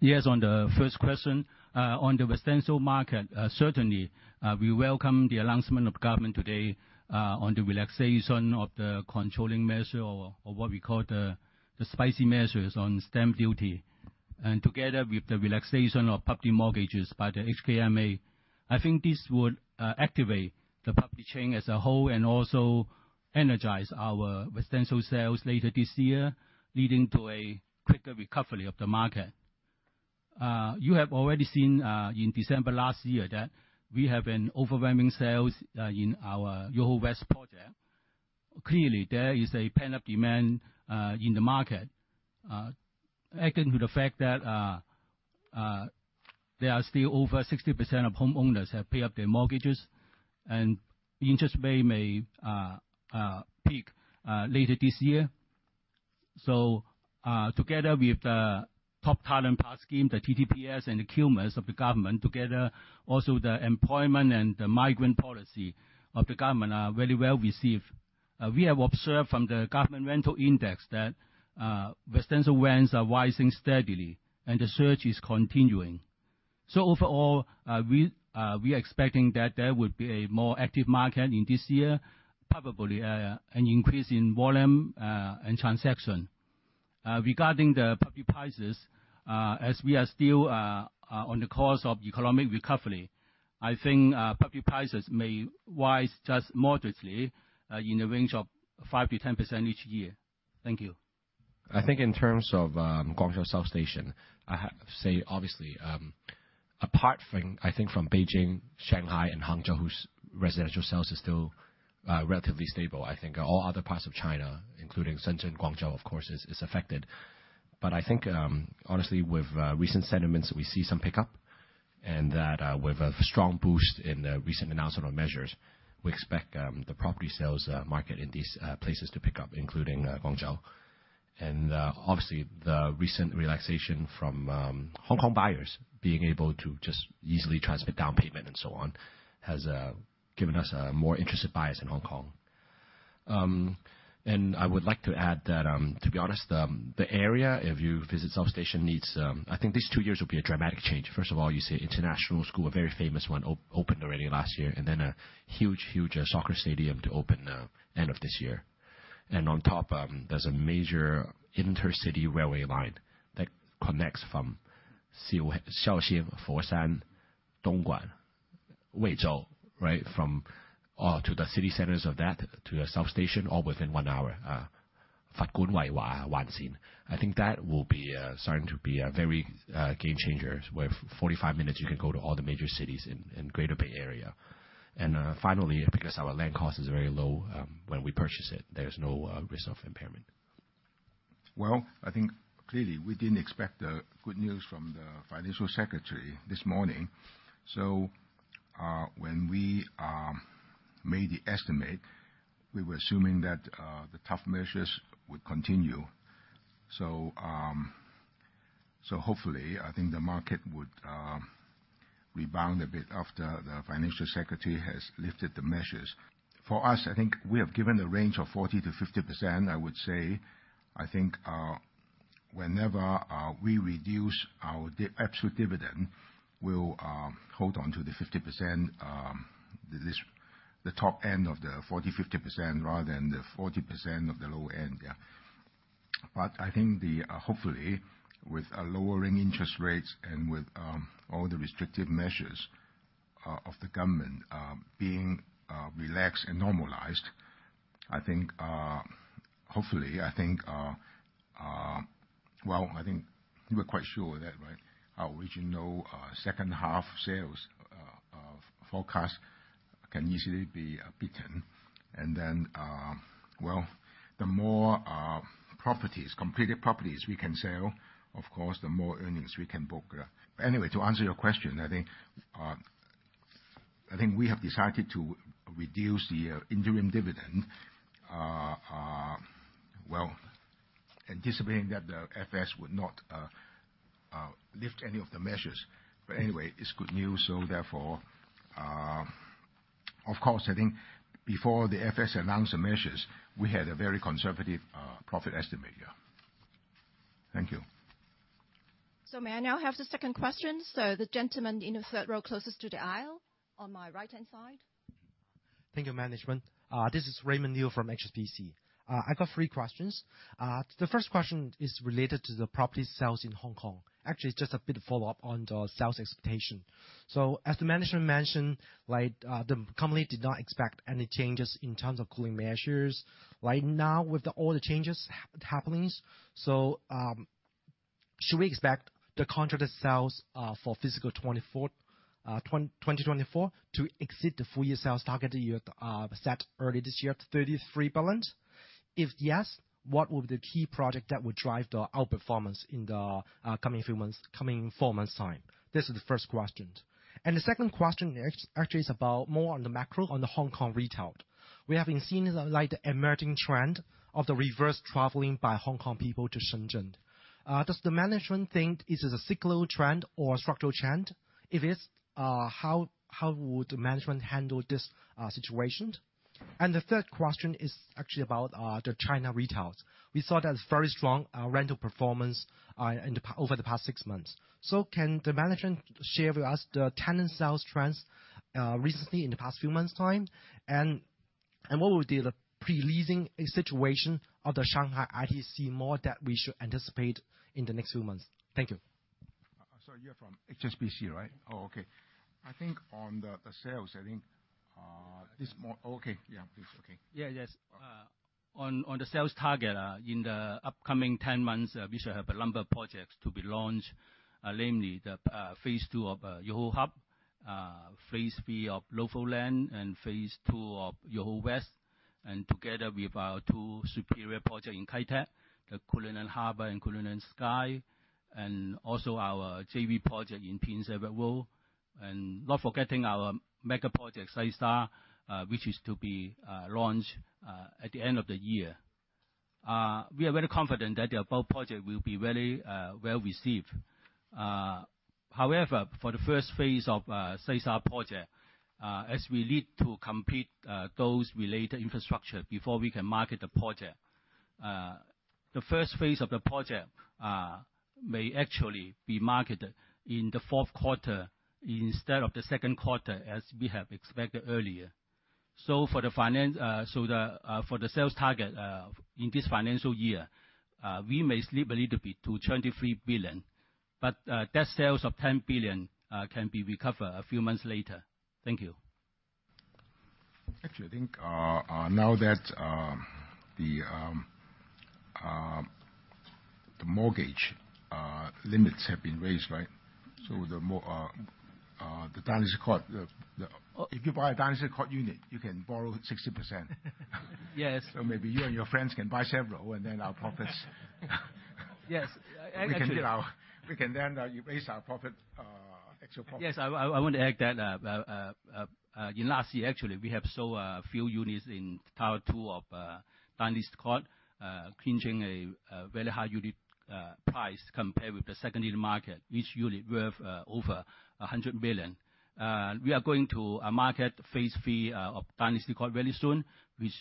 Yes, on the first question. On the residential market, certainly, we welcome the announcement of the government today on the relaxation of the controlling measure, or what we call the spicy measures, on stamp duty, and together with the relaxation of property mortgages by the HKMA. I think this would activate the property chain as a whole and also energize our residential sales later this year, leading to a quicker recovery of the market. You have already seen in December last year that we have an overwhelming sales in our YOHO West project. Clearly, there is a pent-up demand in the market, adding to the fact that there are still over 60% of homeowners who have paid up their mortgages, and interest rate may peak later this year. So together with the Top Talent Pass Scheme, the TTPS, and the QMAS of the government, together also the employment and the migrant policy of the government are very well received. We have observed from the government rental index that residential rents are rising steadily, and the surge is continuing. So overall, we are expecting that there would be a more active market in this year, probably an increase in volume and transaction. Regarding the property prices, as we are still on the course of economic recovery, I think property prices may rise just moderately in the range of 5%-10% each year. Thank you. I think in terms of Guangzhou South Station, I say obviously, apart from, I think, from Beijing, Shanghai, and Hangzhou, whose residential sales are still relatively stable, I think all other parts of China, including Shenzhen, Guangzhou, of course, is affected. But I think, honestly, with recent sentiments, we see some pickup, and that with a strong boost in the recent announcement of measures, we expect the property sales market in these places to pick up, including Guangzhou. And obviously, the recent relaxation from Hong Kong buyers being able to just easily transmit down payment and so on has given us a more interested bias in Hong Kong. And I would like to add that, to be honest, the area, if you visit South Station, needs I think these two years will be a dramatic change. First of all, you see International School, a very famous one, opened already last year, and then a huge, huge soccer stadium to open end of this year. On top, there's a major intercity railway line that connects from Shaoxing, Foshan, Dongguan, Wenzhou, right, from all to the city centers of that to the South Station, all within one hour. I think that will be starting to be a very game-changer, where 45 minutes, you can go to all the major cities in Greater Bay Area. And finally, because our land cost is very low when we purchase it, there's no risk of impairment. Well, I think clearly, we didn't expect good news from the Financial Secretary this morning. So when we made the estimate, we were assuming that the tough measures would continue. So hopefully, I think the market would rebound a bit after the Financial Secretary has lifted the measures. For us, I think we have given a range of 40%-50%, I would say. I think whenever we reduce our absolute dividend, we'll hold onto the 50%, the top end of the 40%-50%, rather than the 40% of the lower end, yeah. But I think, hopefully, with lowering interest rates and with all the restrictive measures of the government being relaxed and normalized, I think, hopefully, I think well, I think we're quite sure of that, right? Our original second-half sales forecast can easily be beaten. And then, well, the more properties, completed properties, we can sell, of course, the more earnings we can book. Anyway, to answer your question, I think we have decided to reduce the interim dividend, well, anticipating that the FS would not lift any of the measures. But anyway, it's good news. So therefore, of course, I think before the FS announced the measures, we had a very conservative profit estimate, yeah. Thank you. May I now have the second question? The gentleman in the third row closest to the aisle on my right-hand side. Thank you, management. This is Raymond Neil from HSBC. I got three questions. The first question is related to the properties sales in Hong Kong. Actually, it's just a bit of follow-up on the sales expectation. So as the management mentioned, the company did not expect any changes in terms of cooling measures. Now, with all the changes happening, so should we expect the contracted sales for fiscal 2024 to exceed the full-year sales target that you set early this year, 33 billion? If yes, what will be the key project that would drive the outperformance in the coming four months' time? This is the first question. And the second question actually is more on the macro, on the Hong Kong retail. We have been seeing the emerging trend of the reverse traveling by Hong Kong people to Shenzhen. Does the management think this is a cyclical trend or a structural trend? If it's, how would the management handle this situation? And the third question is actually about the China retail's. We saw that very strong rental performance over the past six months. So can the management share with us the tenant sales trends recently in the past few months' time, and what would be the pre-leasing situation of the Shanghai ITC mall that we should anticipate in the next few months? Thank you. Sorry, you're from HSBC, right? Oh, okay. I think on the sales, I think this more okay, yeah, please. Okay. Yeah, yes. On the sales target, in the upcoming 10 months, we should have a number of projects to be launched, namely the Phase II of YOHO Hub, Phase III of NOVO LAND, and Phase II of YOHO WEST. And together with our two superior projects in Kai Tak, the Cullinan Harbour and Cullinan Sky, and also our JV project in Tin Shui Wai, and not forgetting our mega project, Sai Sha Residences, which is to be launched at the end of the year. We are very confident that the above projects will be very well received. However, for the first phase of Sai Sha Residences project, as we need to complete those related infrastructure before we can market the project, the first phase of the project may actually be marketed in the fourth quarter instead of the second quarter as we have expected earlier. For the sales target in this financial year, we may slip a little bit to 23 billion, but that sales of 10 billion can be recovered a few months later. Thank you. Actually, I think now that the mortgage limits have been raised, right? So the Dynasty Court if you buy a Dynasty Court unit, you can borrow 60%. So maybe you and your friends can buy several, and then our profits we can get our we can then raise our profit, actual profit. Yes, I want to add that. In last year, actually, we have sold a few units in tower 2 of Dynasty Court, clinching a very high unit price compared with the secondary market, each unit worth over 100 million. We are going to market Phase III of Dynasty Court very soon, which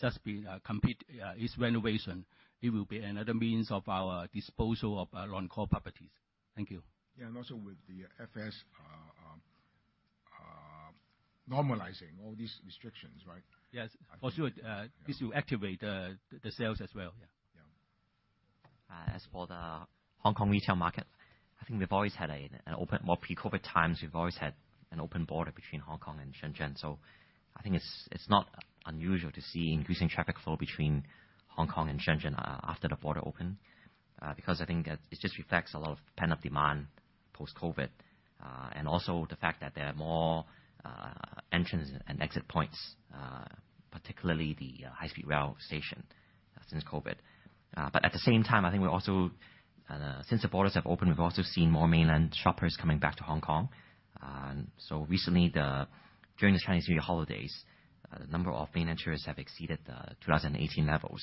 just be complete its renovation. It will be another means of our disposal of long-haul properties. Thank you. Yeah, and also with the FS normalizing all these restrictions, right? Yes, for sure. This will activate the sales as well, yeah. As for the Hong Kong retail market, I think we've always had an open more pre-COVID times, we've always had an open border between Hong Kong and Shenzhen. So I think it's not unusual to see increasing traffic flow between Hong Kong and Shenzhen after the border open because I think it just reflects a lot of pent-up demand post-COVID and also the fact that there are more entrances and exit points, particularly the high-speed rail station since COVID. But at the same time, I think we also since the borders have opened, we've also seen more mainland shoppers coming back to Hong Kong. So recently, during the Chinese New Year holidays, the number of mainland tourists have exceeded the 2018 levels.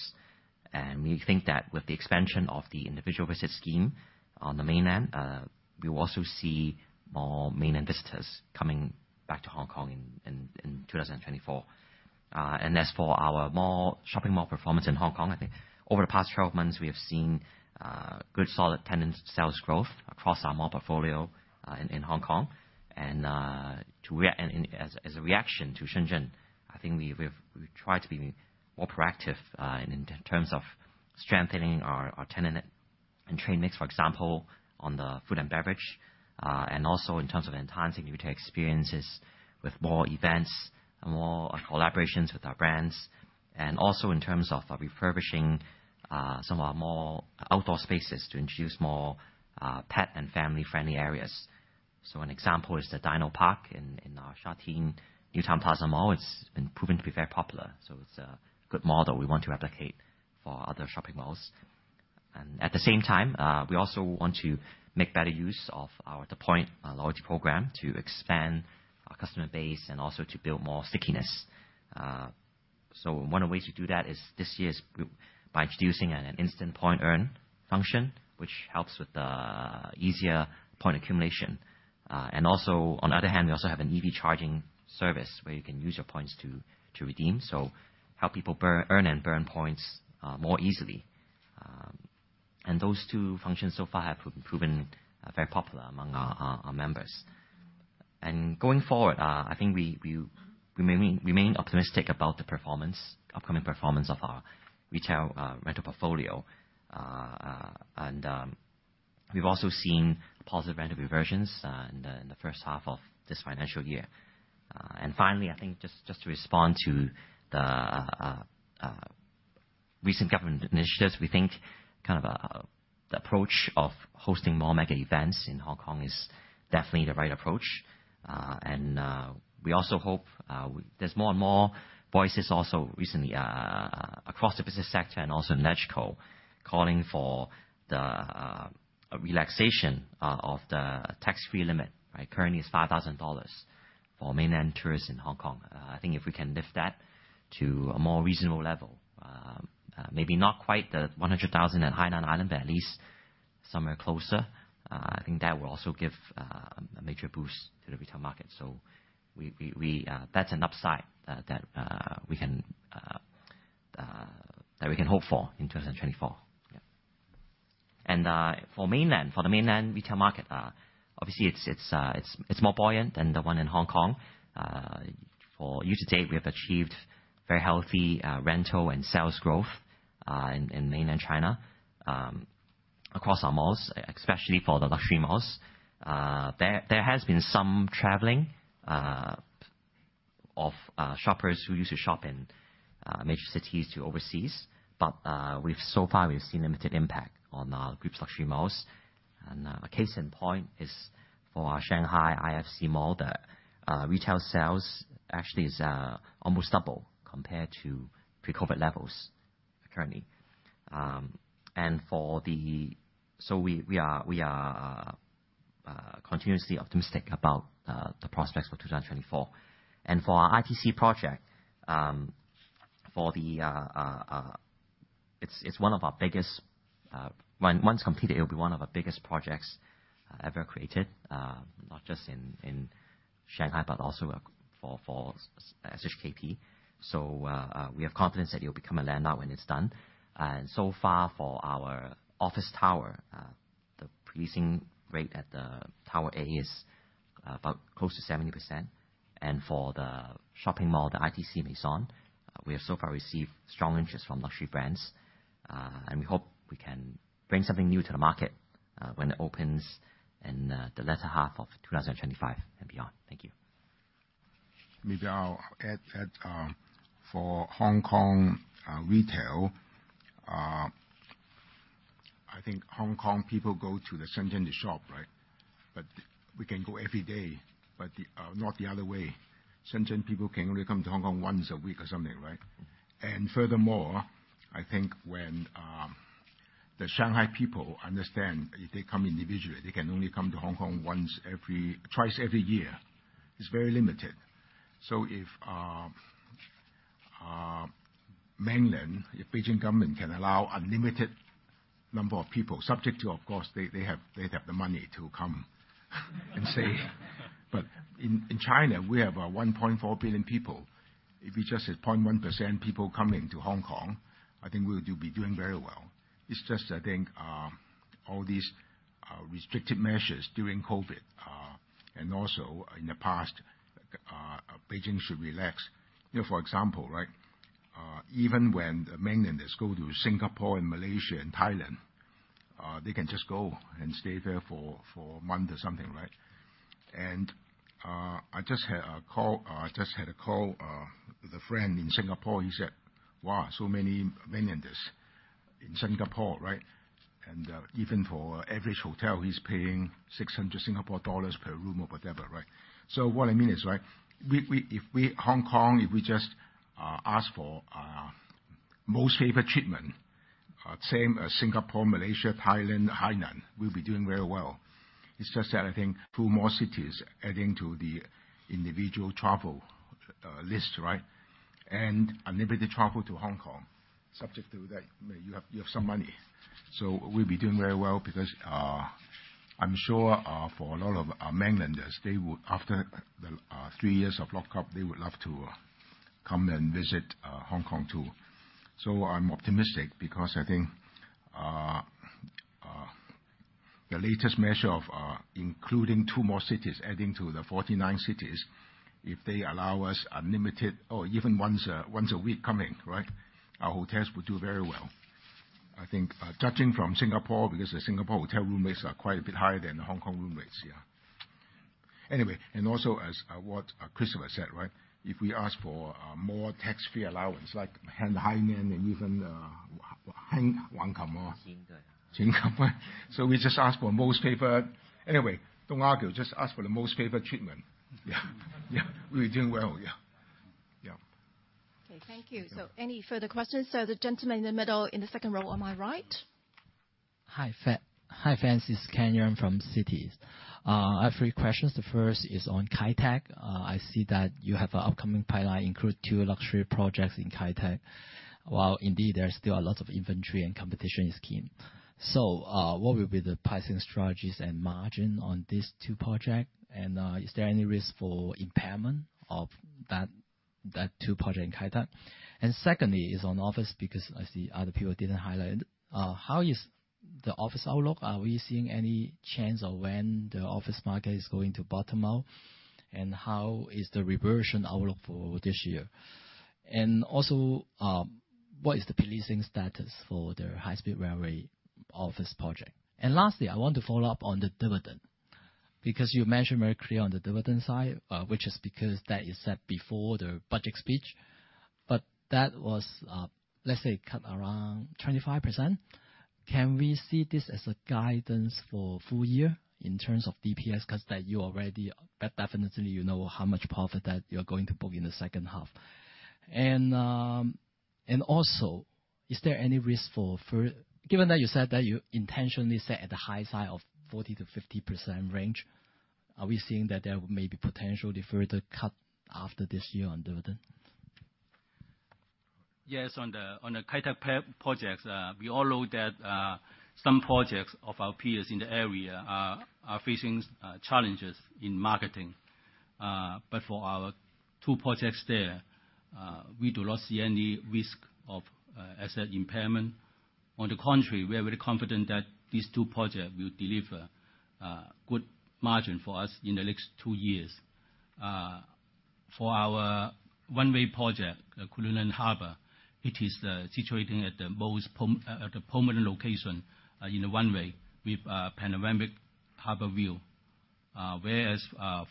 We think that with the expansion of the Individual Visit Scheme on the mainland, we will also see more mainland visitors coming back to Hong Kong in 2024. As for our shopping mall performance in Hong Kong, I think over the past 12 months, we have seen good solid tenant sales growth across our mall portfolio in Hong Kong. As a reaction to Shenzhen, I think we've tried to be more proactive in terms of strengthening our tenant and trade mix, for example, on the food and beverage, and also in terms of enhancing retail experiences with more events, more collaborations with our brands, and also in terms of refurbishing some of our more outdoor spaces to introduce more pet and family-friendly areas. An example is the Dino Park in our Sha Tin New Town Plaza. It's been proven to be very popular. So it's a good model we want to replicate for other shopping malls. At the same time, we also want to make better use of our The Point loyalty program to expand our customer base and also to build more stickiness. One of the ways to do that is this year is by introducing an instant point earn function, which helps with the easier point accumulation. Also, on the other hand, we also have an EV charging service where you can use your points to redeem, so help people earn and burn points more easily. Those two functions so far have proven very popular among our members. Going forward, I think we remain optimistic about the performance, upcoming performance of our retail rental portfolio. We've also seen positive rental reversions in the first half of this financial year. Finally, I think just to respond to the recent government initiatives, we think kind of the approach of hosting more mega events in Hong Kong is definitely the right approach. We also hope there's more and more voices also recently across the business sector and also in LegCo calling for the relaxation of the tax-free limit, right? Currently, it's 5,000 dollars for mainland tourists in Hong Kong. I think if we can lift that to a more reasonable level, maybe not quite the 100,000 at Hainan Island, but at least somewhere closer, I think that will also give a major boost to the retail market. So that's an upside that we can hope for in 2024, yeah. And for mainland, for the mainland retail market, obviously, it's more buoyant than the one in Hong Kong. For you today, we have achieved very healthy rental and sales growth in mainland China across our malls, especially for the luxury malls. There has been some traveling of shoppers who used to shop in major cities to overseas, but so far, we've seen limited impact on our group's luxury malls. A case in point is for our Shanghai IFC Mall that retail sales actually is almost double compared to pre-COVID levels currently. For the so we are continuously optimistic about the prospects for 2024. For our ITC project, for the it's one of our biggest once completed, it'll be one of our biggest projects ever created, not just in Shanghai, but also for SHKP. So we have confidence that it'll become a landmark when it's done. So far, for our office tower, the leasing rate at the tower A is close to 70%. For the shopping mall, the ITC Meizhong, we have so far received strong interest from luxury brands. We hope we can bring something new to the market when it opens in the latter half of 2025 and beyond. Thank you. Maybe I'll add for Hong Kong retail. I think Hong Kong people go to the Shenzhen to shop, right? But we can go every day, but not the other way. Shenzhen people can only come to Hong Kong once a week or something, right? And furthermore, I think when the Shanghai people understand if they come individually, they can only come to Hong Kong twice every year. It's very limited. So if mainland, if Beijing government can allow unlimited number of people, subject to, of course, they'd have the money to come and say but in China, we have 1.4 billion people. If we just have 0.1% people coming to Hong Kong, I think we'll be doing very well. It's just, I think, all these restrictive measures during COVID and also in the past, Beijing should relax. For example, right, even when the mainlanders go to Singapore and Malaysia and Thailand, they can just go and stay there for a month or something, right? And I just had a call with a friend in Singapore. He said, "Wow, so many mainlanders in Singapore," right? And even for average hotel, he's paying 600 Singapore dollars per room or whatever, right? So what I mean is, right, if we Hong Kong, if we just ask for most favorite treatment, same as Singapore, Malaysia, Thailand, Hainan, we'll be doing very well. It's just that I think. 2 more cities adding to the individual travel list, right, and unlimited travel to Hong Kong, subject to that you have some money. So we'll be doing very well because I'm sure for a lot of mainlanders, after the three years of lockdown, they would love to come and visit Hong Kong too. So I'm optimistic because I think the latest measure of including two more cities adding to the 49 cities, if they allow us unlimited or even once a week coming, right, our hotels would do very well. I think judging from Singapore because the Singapore hotel room rates are quite a bit higher than the Hong Kong room rates, yeah. Anyway, and also as what Christopher said, right, if we ask for more tax-free allowance like Hainan and even Hong Kong and Macau so we just ask for most favored anyway, don't argue, just ask for the most favored treatment. Yeah, we'll be doing well, yeah. Yeah. Okay, thank you. So any further questions? So the gentleman in the middle in the second row, am I right? Hi, Fed. Hi, Fed. This is Ken Yeung from Citi. I have three questions. The first is on Kai Tak. I see that you have an upcoming pipeline include two luxury projects in Kai Tak. Well, indeed, there's still a lot of inventory and competition scene. So what will be the pricing strategies and margin on these two projects? And is there any risk for impairment of that two projects in Kai Tak? And secondly is on office because I see other people didn't highlight it. How is the office outlook? Are we seeing any chance of when the office market is going to bottom out? And how is the reversion outlook for this year? And also, what is the leasing status for the high-speed railway office project? And lastly, I want to follow up on the dividend because you mentioned very clearly on the dividend side, which is because that is set before the budget speech. But that was, let's say, cut around 25%. Can we see this as a guidance for full year in terms of DPS because that you already definitely know how much profit that you're going to book in the second half? And also, is there any risk for given that you said that you intentionally set at the high side of 40%-50% range, are we seeing that there may be potentially further cut after this year on dividend? Yes, on the Kai Tak projects, we all know that some projects of our peers in the area are facing challenges in marketing. But for our two projects there, we do not see any risk of asset impairment. On the contrary, we are very confident that these two projects will deliver good margin for us in the next two years. For our Kai Tak project, Cullinan Harbour, it is situated at the most prominent location in the Kai Tak with panoramic harbor view. Whereas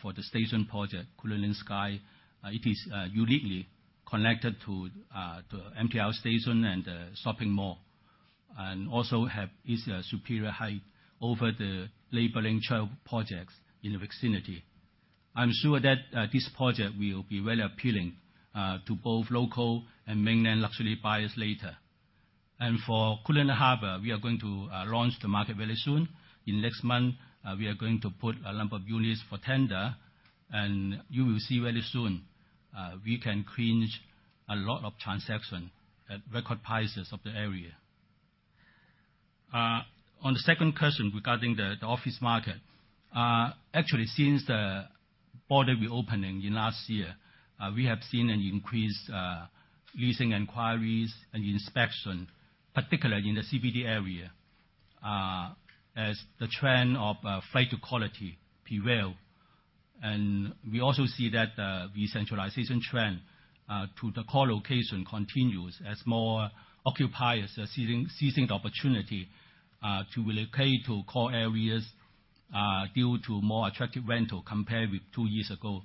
for the station project, Cullinan Sky, it is uniquely connected to MTR station and the shopping mall and also has a superior height over the neighboring retail projects in the vicinity. I'm sure that this project will be very appealing to both local and mainland luxury buyers later. And for Cullinan Harbour, we are going to launch the market very soon. In next month, we are going to put a number of units for tender, and you will see very soon we can clinch a lot of transactions at record prices of the area. On the second question regarding the office market, actually, since the border reopening in last year, we have seen an increase in leasing inquiries and inspections, particularly in the CBD area, as the trend of flight to quality prevails. We also see that the centralization trend to the core location continues as more occupiers are seizing the opportunity to relocate to core areas due to more attractive rentals compared with two years ago.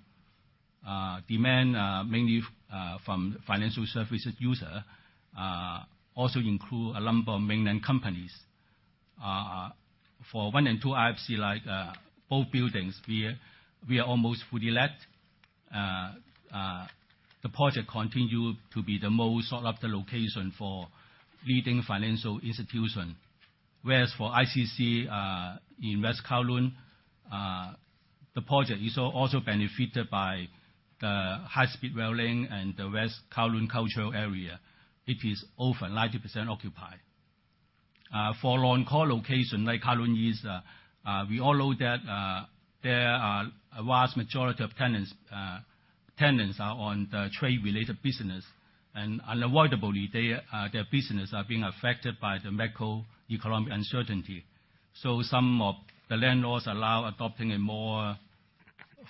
Demand mainly from financial services users also includes a number of mainland companies. For One and Two IFC-like buildings where we are almost fully let, the project continues to be the most sought-after location for leading financial institutions. Whereas for ICC in West Kowloon, the project is also benefited by the high-speed rail link and the West Kowloon Cultural District. It is often 90% occupied. For non-core locations like Kowloon East, we all know that there are a vast majority of tenants are on the trade-related business, and unavoidably, their businesses are being affected by the macroeconomic uncertainty. So some of the landlords allow adopting a more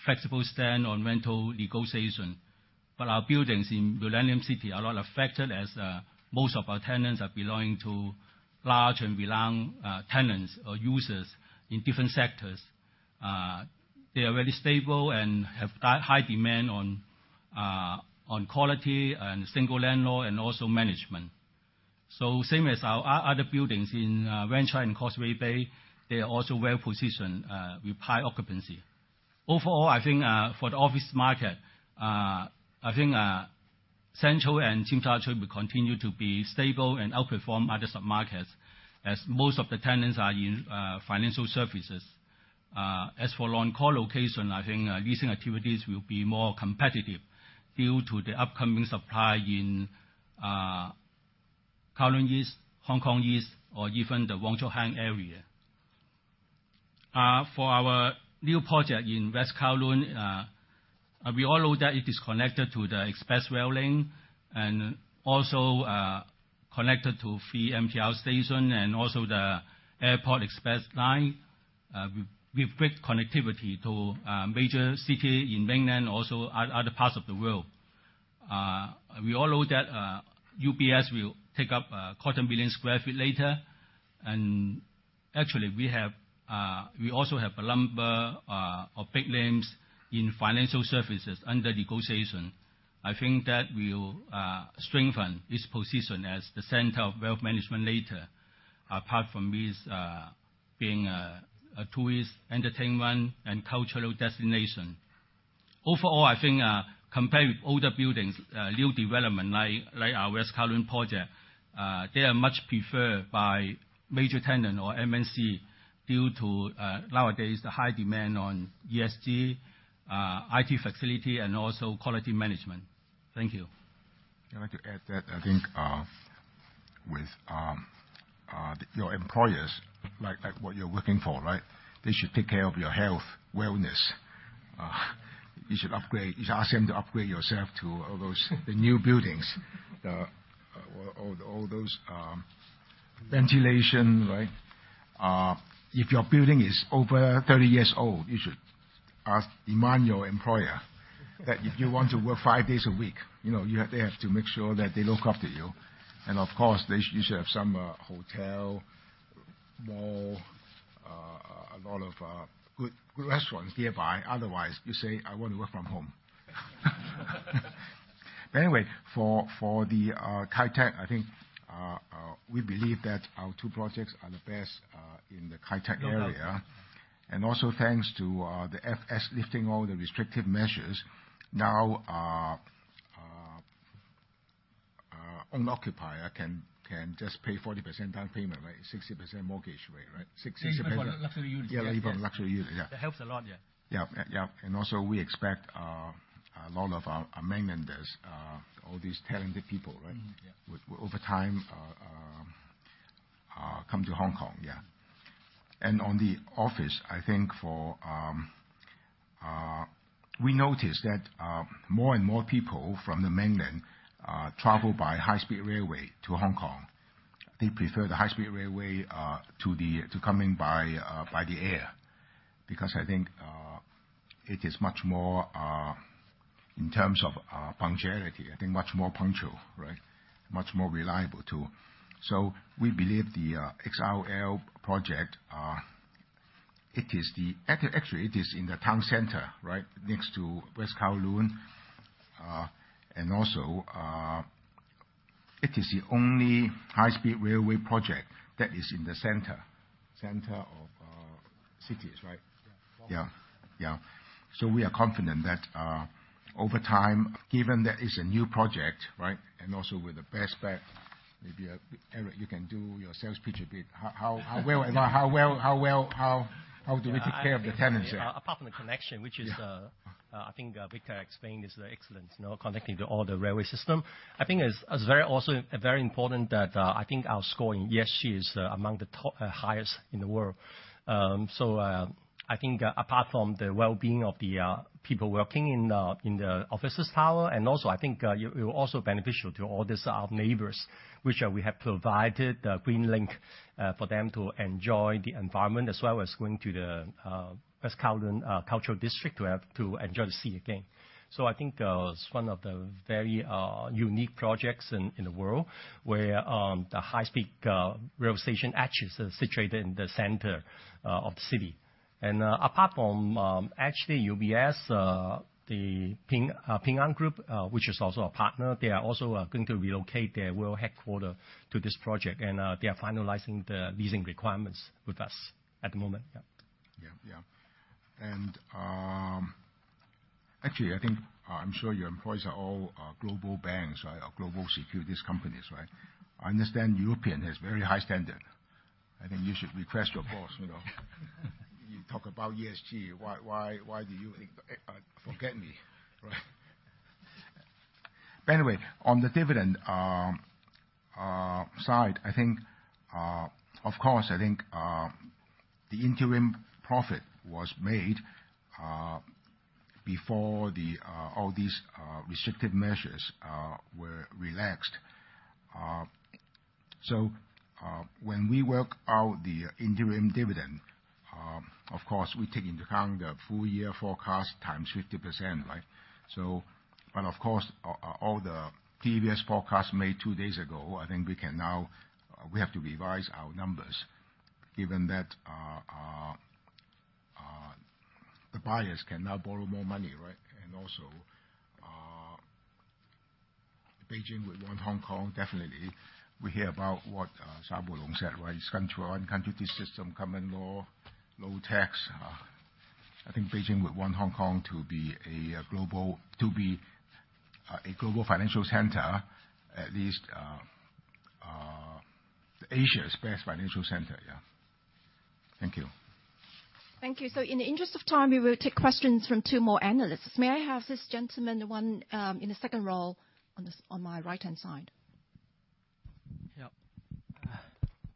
flexible stand on rental negotiation. But our buildings in Millennium City are not affected as most of our tenants are belonging to large and renowned tenants or users in different sectors. They are very stable and have high demand on quality and single landlord and also management. So same as our other buildings in Wan Chai and Causeway Bay, they are also well-positioned with high occupancy. Overall, I think for the office market, I think Central and Tsim Sha Tsui will continue to be stable and outperform other submarkets as most of the tenants are in financial services. As for non-core location, I think leasing activities will be more competitive due to the upcoming supply in Kowloon East, Hong Kong East, or even the Wong Chuk Hang area. For our new project in West Kowloon, we all know that it is connected to the express rail link and also connected to the free MTR station and also the airport express line. We have great connectivity to major cities in mainland, also other parts of the world. We all know that UBS will take up 250,000 sq ft later. Actually, we also have a number of big names in financial services under negotiation. I think that will strengthen its position as the center of wealth management latter, apart from this being a tourist, entertainment, and cultural destination. Overall, I think compared with older buildings, new development like our West Kowloon project, they are much preferred by major tenants or MNCs due to nowadays the high demand on ESG, IT facility, and also quality management. Thank you. I'd like to add that I think with your employers, like what you're working for, right, they should take care of your health, wellness. You should upgrade you should ask them to upgrade yourself to all those the new buildings, all those ventilation, right? If your building is over 30 years old, you should demand your employer that if you want to work five days a week, they have to make sure that they look after you. And of course, you should have some hotel, mall, a lot of good restaurants nearby. Otherwise, you say, "I want to work from home." But anyway, for the Kai Tak, I think we believe that our two projects are the best in the Kai Tak area. And also thanks to the FS lifting all the restrictive measures, now owner-occupier can just pay 40% down payment, right? 60% mortgage rate, right? 60%. Even for luxury units. Yeah, even for luxury units, yeah. That helps a lot, yeah. Yeah, yeah. And also we expect a lot of our mainlanders, all these talented people, right, would over time come to Hong Kong, yeah. And on the office, I think for we noticed that more and more people from the mainland travel by high-speed railway to Hong Kong. They prefer the high-speed railway to coming by the air because I think it is much more in terms of punctuality, I think much more punctual, right? Much more reliable too. So we believe the XRL project, it is actually, it is in the town center, right, next to West Kowloon. And also it is the only high-speed railway project that is in the center, center of cities, right? Yeah, yeah. So we are confident that over time. Given that it's a new project, right, and also with the best back maybe, Eric, you can do your sales pitch a bit. How well do we take care of the tenants here? Apart from the connection, which is I think Victor explained is excellent, connecting to all the railway system, I think it's also very important that I think our score in WELL is among the highest in the world. So I think apart from the well-being of the people working in the office tower and also I think it will also beneficial to all these neighbors, which we have provided the green link for them to enjoy the environment as well as going to the West Kowloon Cultural District to enjoy the sea again. So I think it's one of the very unique projects in the world where the high-speed rail station actually is situated in the center of the city. And apart from actually UBS, the Ping An Group, which is also a partner, they are also going to relocate their world headquarters to this project, and they are finalizing the leasing requirements with us at the moment, yeah. Yeah, yeah. And actually, I think I'm sure your employees are all global banks, right, or global securities companies, right? I understand European has very high standard. I think you should request your boss. You talk about ESG. Why do you forget me, right? But anyway, on the dividend side, I think of course, I think the interim profit was made before all these restrictive measures were relaxed. So when we work out the interim dividend, of course, we take into account the full year forecast times 50%, right? But of course, all the previous forecasts made two days ago, I think we can now we have to revise our numbers given that the buyers can now borrow more money, right? And also Beijing would want Hong Kong, definitely. We hear about what Sabo Long said, right? It's country-on-country system common law, low tax. I think Beijing would want Hong Kong to be a global to be a global financial center, at least Asia's best financial center, yeah. Thank you. Thank you. In the interest of time, we will take questions from two more analysts. May I have this gentleman, the one in the second row on my right-hand side?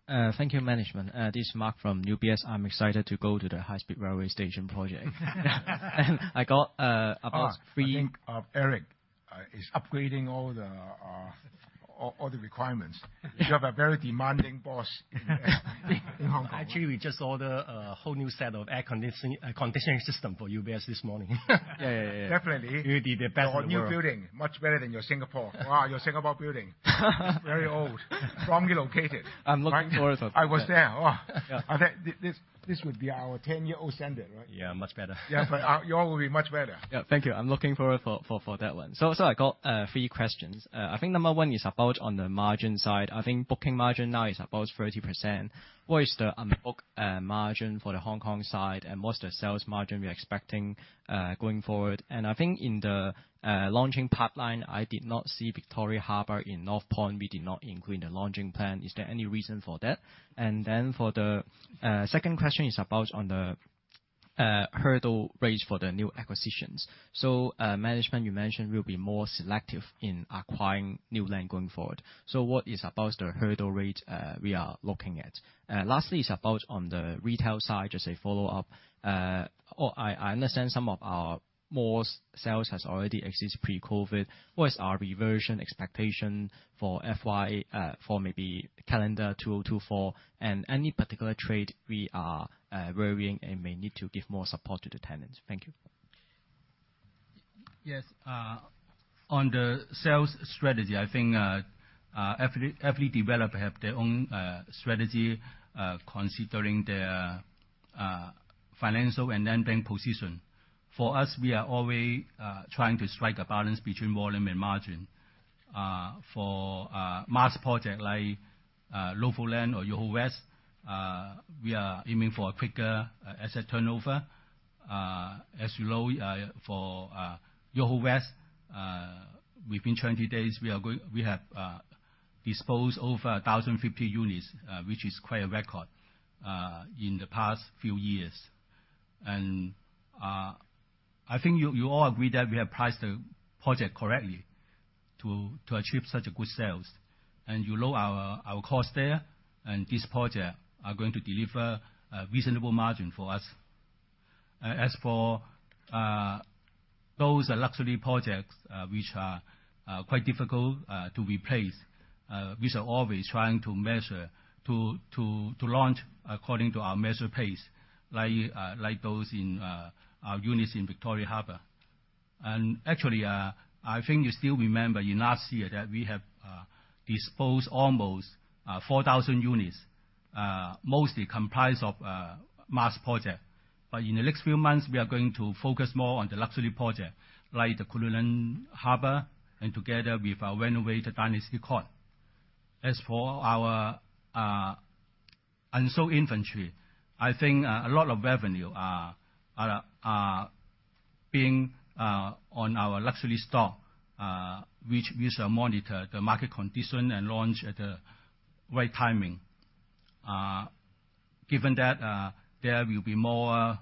Yeah. Thank you, management. This is Mark from UBS. I'm excited to go to the high-speed railway station project. I got about three. I think Eric is upgrading all the requirements. You have a very demanding boss in Hong Kong. Actually, we just ordered a whole new set of air conditioning systems for UBS this morning. Yeah, yeah, yeah. You did the best work. It's a new building. Much better than your Singapore. Wow, your Singapore building. Very old. Wrongly located. I'm looking forward to it. I was there. This would be our 10-year-old standard, right? Yeah, much better. Yeah, but yours will be much better. Yeah, thank you. I'm looking forward to that one. So I got three questions. I think number one is about on the margin side. I think booking margin now is about 30%. What is the unbooked margin for the Hong Kong side, and what's the sales margin we're expecting going forward? And I think in the launching pipeline, I did not see Victoria Harbour in North Point. We did not include in the launching plan. Is there any reason for that? And then for the second question is about on the hurdle rate for the new acquisitions. So management, you mentioned we'll be more selective in acquiring new land going forward. So what is about the hurdle rate we are looking at? Lastly is about on the retail side, just a follow-up. I understand some of our more sales has already existed pre-COVID. What is our reversion expectation for FY, for maybe calendar 2024, and any particular trade we are worrying and may need to give more support to the tenants? Thank you. Yes. On the sales strategy, I think every developer have their own strategy considering their financial and then bank position. For us, we are always trying to strike a balance between volume and margin. For mass projects like NOVO LAND or YOHO WEST, we are aiming for a quicker asset turnover. As you know, for YOHO WEST, within 20 days, we have disposed of 1,050 units, which is quite a record in the past few years. And I think you all agree that we have priced the project correctly to achieve such a good sales. And you know our cost there, and this project is going to deliver a reasonable margin for us. As for those luxury projects which are quite difficult to replace, we are always trying to measure to launch according to our measure pace, like those in our units in Victoria Harbour. Actually, I think you still remember in last year that we have disposed almost 4,000 units, mostly comprised of mass projects. In the next few months, we are going to focus more on the luxury projects, like the Cullinan Harbour, and together with our renovated Dynasty Court. As for our unsold inventory, I think a lot of it is in our luxury stock, which we will monitor the market condition and launch at the right timing. Given that there will be more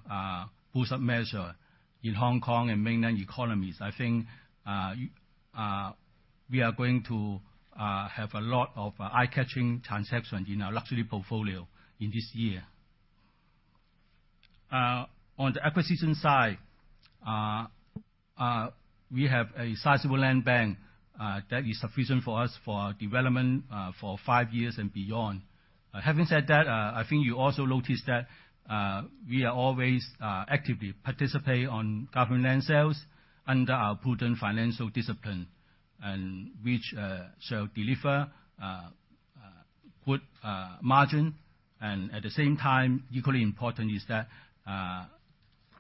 boost-up measures in Hong Kong and mainland economies, I think we are going to have a lot of eye-catching transactions in our luxury portfolio in this year. On the acquisition side, we have a sizable land bank that is sufficient for us for development for five years and beyond. Having said that, I think you also noticed that we are always actively participating on government land sales under our prudent financial discipline, which shall deliver good margin. At the same time, equally important is that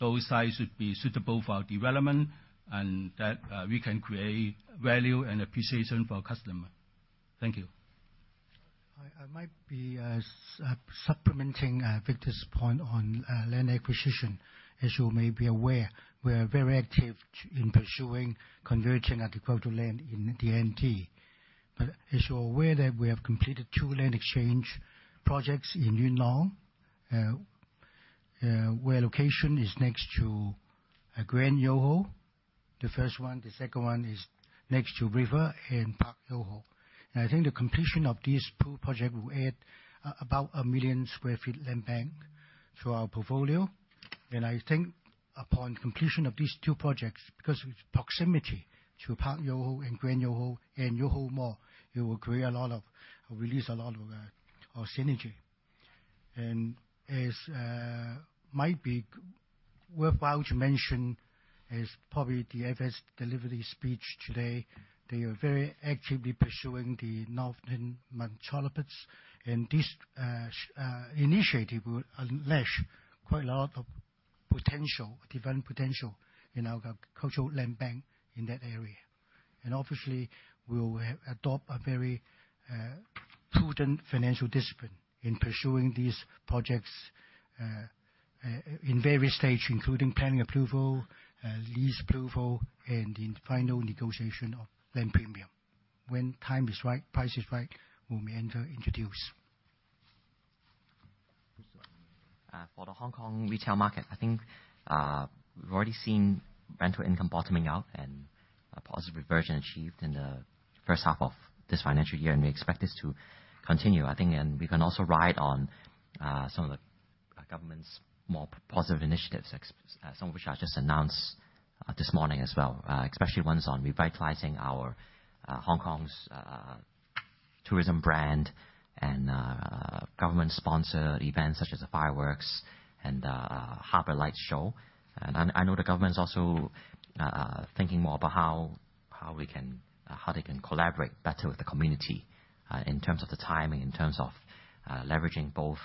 those sites should be suitable for our development and that we can create value and appreciation for our customer. Thank you. I might be supplementing Victor's point on land acquisition. As you may be aware, we are very active in pursuing converting agricultural land in the NT. But as you are aware that we have completed two land exchange projects in Yuen Long, where location is next to Grand YOHO. The first one, the second one is next to River and Park YOHO. And I think the completion of these two projects will add about 1 million sq ft land bank to our portfolio. And I think upon completion of these two projects, because of its proximity to Park YOHO and Grand YOHO and YOHO Mall, it will create a lot of release a lot of synergy. And it might be worthwhile to mention, as probably the FS delivery speech today, they are very actively pursuing the Northern Metropolis. This initiative will unleash quite a lot of potential, development potential in our cultural land bank in that area. Obviously, we will adopt a very prudent financial discipline in pursuing these projects in various stages, including planning approval, lease approval, and in final negotiation of land premium. When time is right, price is right, we may enter into deals. For the Hong Kong retail market, I think we've already seen rental income bottoming out and a positive reversion achieved in the first half of this financial year. We expect this to continue, I think. We can also ride on some of the government's more positive initiatives, some of which I just announced this morning as well, especially ones on revitalizing our Hong Kong's tourism brand and government-sponsored events such as the fireworks and Harbour Lights Show. I know the government's also thinking more about how they can collaborate better with the community in terms of the timing, in terms of leveraging both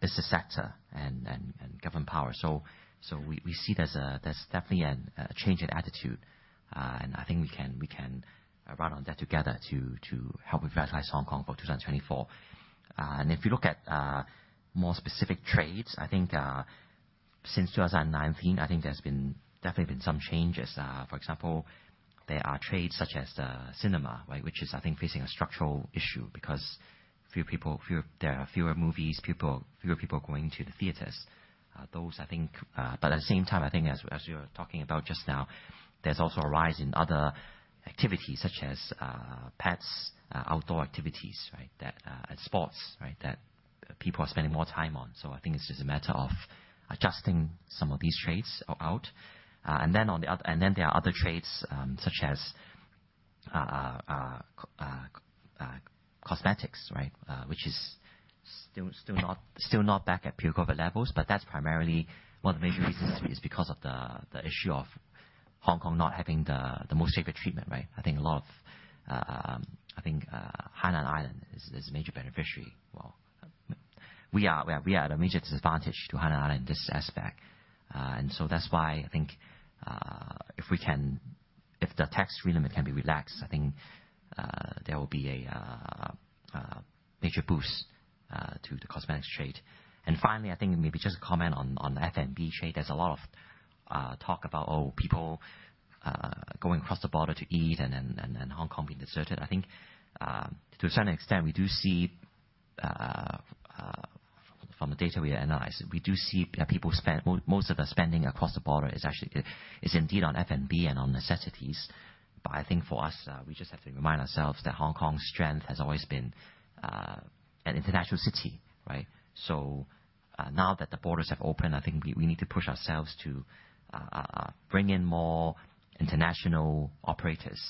business sector and government power. We see there's definitely a change in attitude. I think we can ride on that together to help revitalize Hong Kong for 2024. If you look at more specific trades, I think since 2019, I think there's been definitely been some changes. For example, there are trades such as cinema, right, which is, I think, facing a structural issue because fewer people there are fewer movies, fewer people going to the theaters. Those, I think but at the same time, I think as you were talking about just now, there's also a rise in other activities such as pets, outdoor activities, right, and sports, right, that people are spending more time on. So I think it's just a matter of adjusting some of these trades out. And then on the other and then there are other trades such as cosmetics, right, which is still not back at pre-COVID levels. But that's primarily one of the major reasons is because of the issue of Hong Kong not having the most favorite treatment, right? I think a lot of Hainan Island is a major beneficiary. Well, we are at a major disadvantage to Hainan Island in this aspect. And so that's why I think if the tax relief can be relaxed, I think there will be a major boost to the cosmetics trade. And finally, I think maybe just a comment on the F&B trade. There's a lot of talk about, oh, people going across the border to eat and Hong Kong being deserted. I think to a certain extent, we do see from the data we analyzed, we do see people spend most of the spending across the border is actually indeed on F&B and on necessities. But I think for us, we just have to remind ourselves that Hong Kong's strength has always been an international city, right? Now that the borders have opened, I think we need to push ourselves to bring in more international operators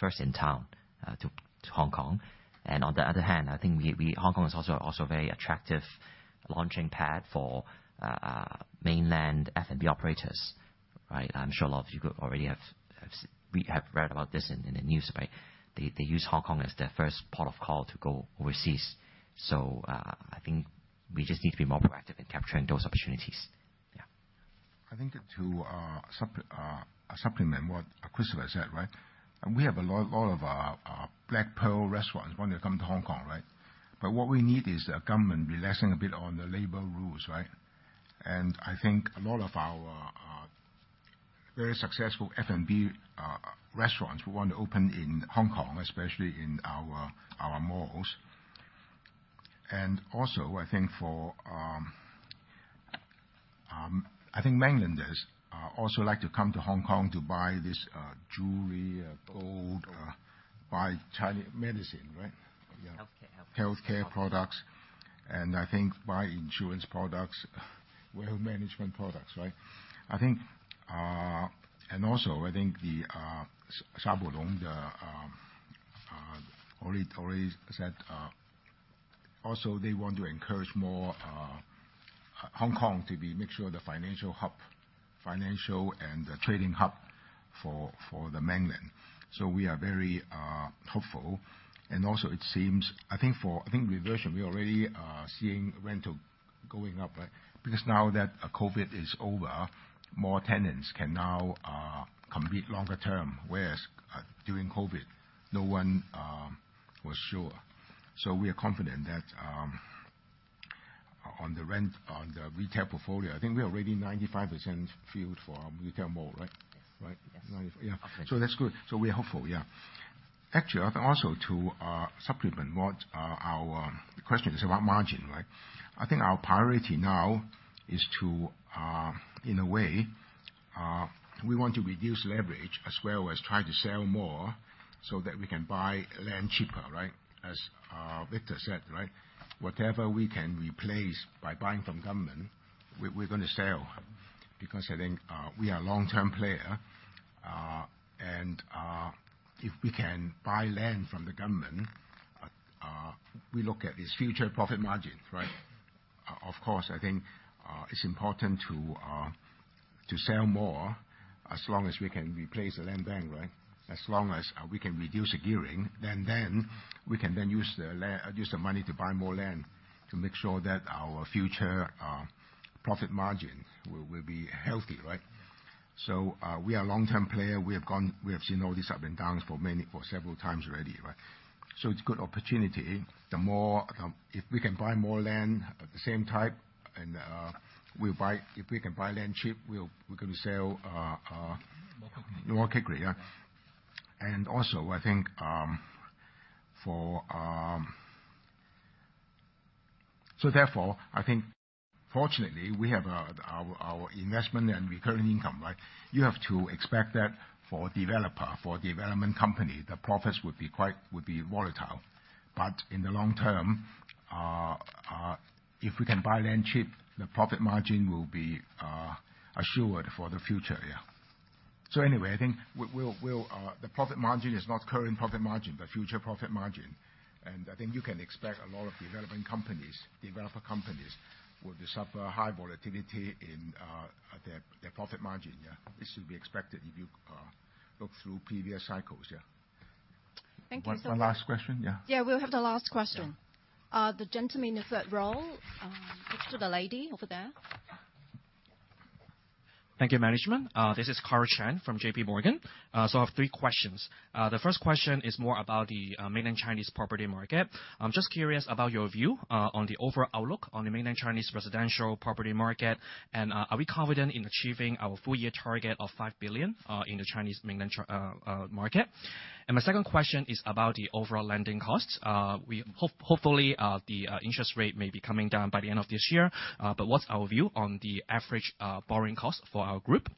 first in town to Hong Kong. On the other hand, I think Hong Kong is also a very attractive launching pad for mainland F&B operators, right? I'm sure a lot of you already have read about this in the news, right? They use Hong Kong as their first port of call to go overseas. I think we just need to be more proactive in capturing those opportunities, yeah. I think to supplement what Christopher said, right, we have a lot of Black Pearl restaurants wanting to come to Hong Kong, right? But what we need is a government relaxing a bit on the labor rules, right? And I think a lot of our very successful F&B restaurants will want to open in Hong Kong, especially in our malls. And also, for I think mainlanders also like to come to Hong Kong to buy this jewelry, gold, buy Chinese medicine, right? Yeah. Healthcare. Healthcare products. And I think buy insurance products, wealth management products, right? I think and also, I think Sabo Long already said also, they want to encourage more Hong Kong to be make sure the financial hub, financial and trading hub for the mainland. So we are very hopeful. And also, it seems I think for I think reversion, we're already seeing rental going up, right? Because now that COVID is over, more tenants can now compete longer term, whereas during COVID, no one was sure. So we are confident that on the rent on the retail portfolio, I think we are already 95% filled for our retail mall, right? Right? Yeah. So that's good. So we're hopeful, yeah. Actually, I think also to supplement what our question is about margin, right? I think our priority now is to in a way, we want to reduce leverage as well as try to sell more so that we can buy land cheaper, right? As Victor said, right, whatever we can replace by buying from government, we're going to sell because I think we are a long-term player. And if we can buy land from the government, we look at this future profit margin, right? Of course, I think it's important to sell more as long as we can replace the land bank, right? As long as we can reduce the gearing, then we can then use the money to buy more land to make sure that our future profit margin will be healthy, right? So we are a long-term player. We have seen all these ups and downs for several times already, right? So it's a good opportunity. The more, if we can buy more land of the same type, and we'll buy if we can buy land cheap, we're going to sell. More quickly. More quickly, yeah. And also, I think for so therefore, I think fortunately, we have our investment and recurring income, right? You have to expect that for developer, for development company, the profits would be quite volatile. But in the long term, if we can buy land cheap, the profit margin will be assured for the future, yeah. So anyway, I think we'll the profit margin is not current profit margin, but future profit margin. And I think you can expect a lot of development companies, developer companies, will suffer high volatility in their profit margin, yeah. It should be expected if you look through previous cycles, yeah. Thank you so much. One last question, yeah? Yeah, we'll have the last question. The gentleman in the third row, talk to the lady over there. Thank you, management. This is Karl Chan from JP Morgan. I have three questions. The first question is more about the mainland Chinese property market. I'm just curious about your view on the overall outlook on the mainland Chinese residential property market. Are we confident in achieving our full-year target of 5 billion in the Chinese mainland market? My second question is about the overall lending costs. Hopefully, the interest rate may be coming down by the end of this year. What's our view on the average borrowing cost for our group?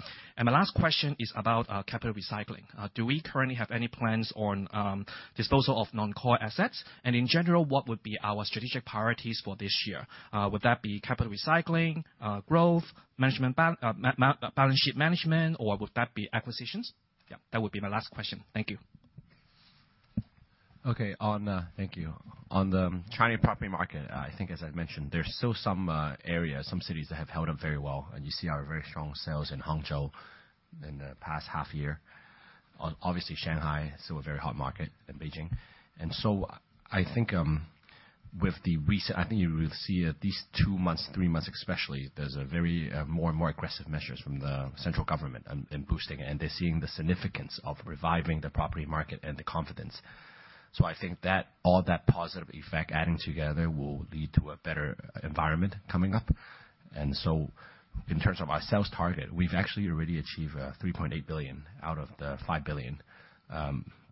My last question is about capital recycling. Do we currently have any plans on disposal of non-core assets? In general, what would be our strategic priorities for this year? Would that be capital recycling, growth, management balance sheet management, or would that be acquisitions? Yeah, that would be my last question. Thank you. Okay. Thank you. On the Chinese property market, I think as I mentioned, there's still some areas, some cities that have held up very well. And you see our very strong sales in Hangzhou in the past half year. Obviously, Shanghai, still a very hot market, and Beijing. And so I think with the recent I think you will see at least two months, three months especially, there's a very more and more aggressive measures from the central government in boosting. And they're seeing the significance of reviving the property market and the confidence. So I think that all that positive effect adding together will lead to a better environment coming up. And so in terms of our sales target, we've actually already achieved 3.8 billion out of the 5 billion,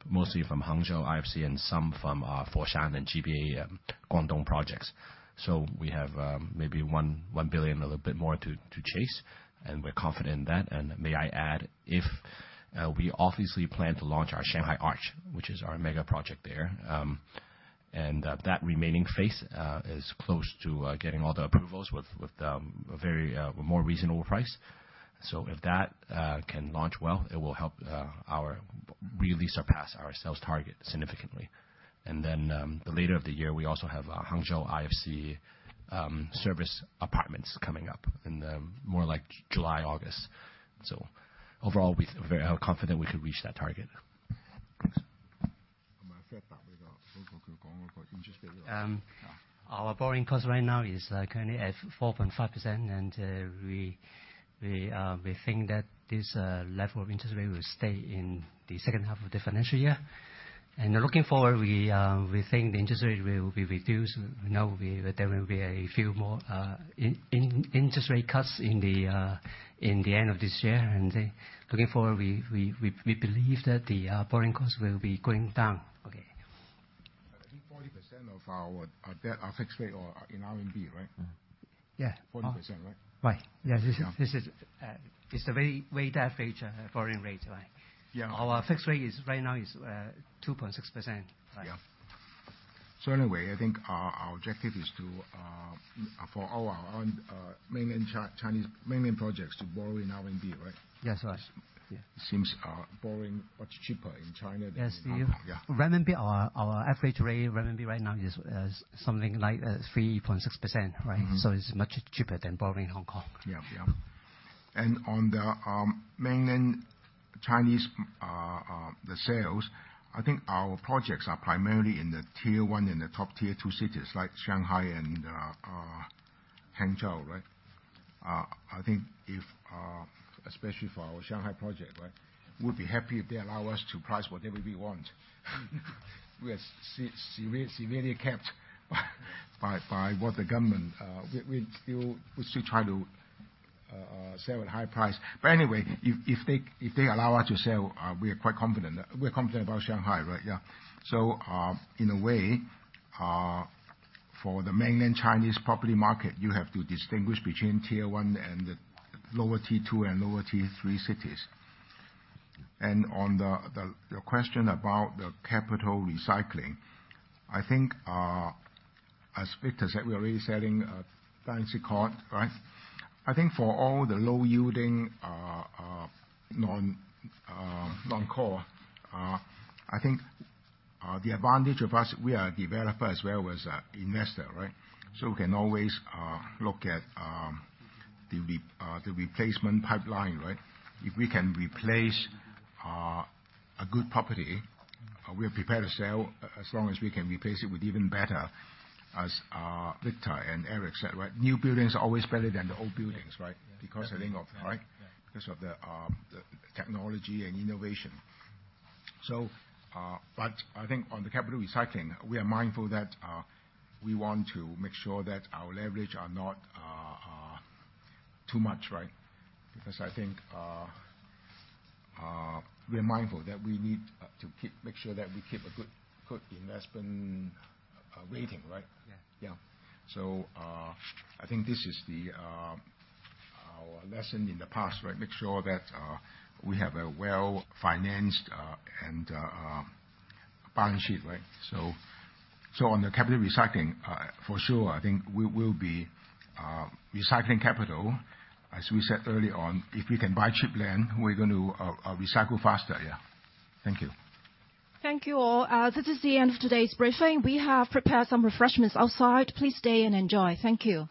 mostly from Hangzhou IFC and some from Foshan and GBA Guangdong projects. We have maybe 1 billion, a little bit more to chase. And we're confident in that. And may I add, if we obviously plan to launch our Shanghai Arch, which is our mega project there, and that remaining phase is close to getting all the approvals with a very more reasonable price. So if that can launch well, it will help our really surpass our sales target significantly. And then the later of the year, we also have Hangzhou IFC service apartments coming up in more like July, August. So overall, we're confident we could reach that target. Thanks. Oh, my friend thought we got over too long. But interest rate, yeah. Our borrowing cost right now is currently at 4.5%. We think that this level of interest rate will stay in the second half of the financial year. Looking forward, we think the interest rate will be reduced. We know there will be a few more interest rate cuts in the end of this year. Looking forward, we believe that the borrowing cost will be going down, okay? I think 40% of our debt are fixed rate or in RMB, right? Yeah. 40%, right? Right. Yeah. It's a very way down for each borrowing rate, right? Our fixed rate right now is 2.6%, right? Yeah. So anyway, I think our objective is for all our mainland China projects to borrow in RMB, right? Yes, right. It seems borrowing much cheaper in China than in Hong Kong, yeah. Yes, do you? Our average rate RMB right now is something like 3.6%, right? So it's much cheaper than borrowing in Hong Kong. Yeah, yeah. And on the mainland Chinese sales, I think our projects are primarily in the tier one and the top tier two cities like Shanghai and Hangzhou, right? I think if especially for our Shanghai project, right, we'd be happy if they allow us to price whatever we want. We are severely kept by what the government we still try to sell at high price. But anyway, if they allow us to sell, we are quite confident. We are confident about Shanghai, right? Yeah. So in a way, for the mainland Chinese property market, you have to distinguish between tier one and the lower tier two and lower tier three cities. And on your question about the capital recycling, I think as Victor said, we are already selling Dynasty Court, right? I think for all the low-yielding non-core, I think the advantage of us, we are a developer as well as an investor, right? So we can always look at the replacement pipeline, right? If we can replace a good property, we are prepared to sell as long as we can replace it with even better as Victor and Eric said, right? New buildings are always better than the old buildings, right? Because I think of, right? Because of the technology and innovation. But I think on the capital recycling, we are mindful that we want to make sure that our leverage are not too much, right? Because I think we are mindful that we need to make sure that we keep a good investment rating, right? Yeah. So I think this is our lesson in the past, right? Make sure that we have a well-financed balance sheet, right? On the capital recycling, for sure, I think we'll be recycling capital. As we said early on, if we can buy cheap land, we're going to recycle faster, yeah. Thank you. Thank you all. This is the end of today's briefing. We have prepared some refreshments outside. Please stay and enjoy. Thank you.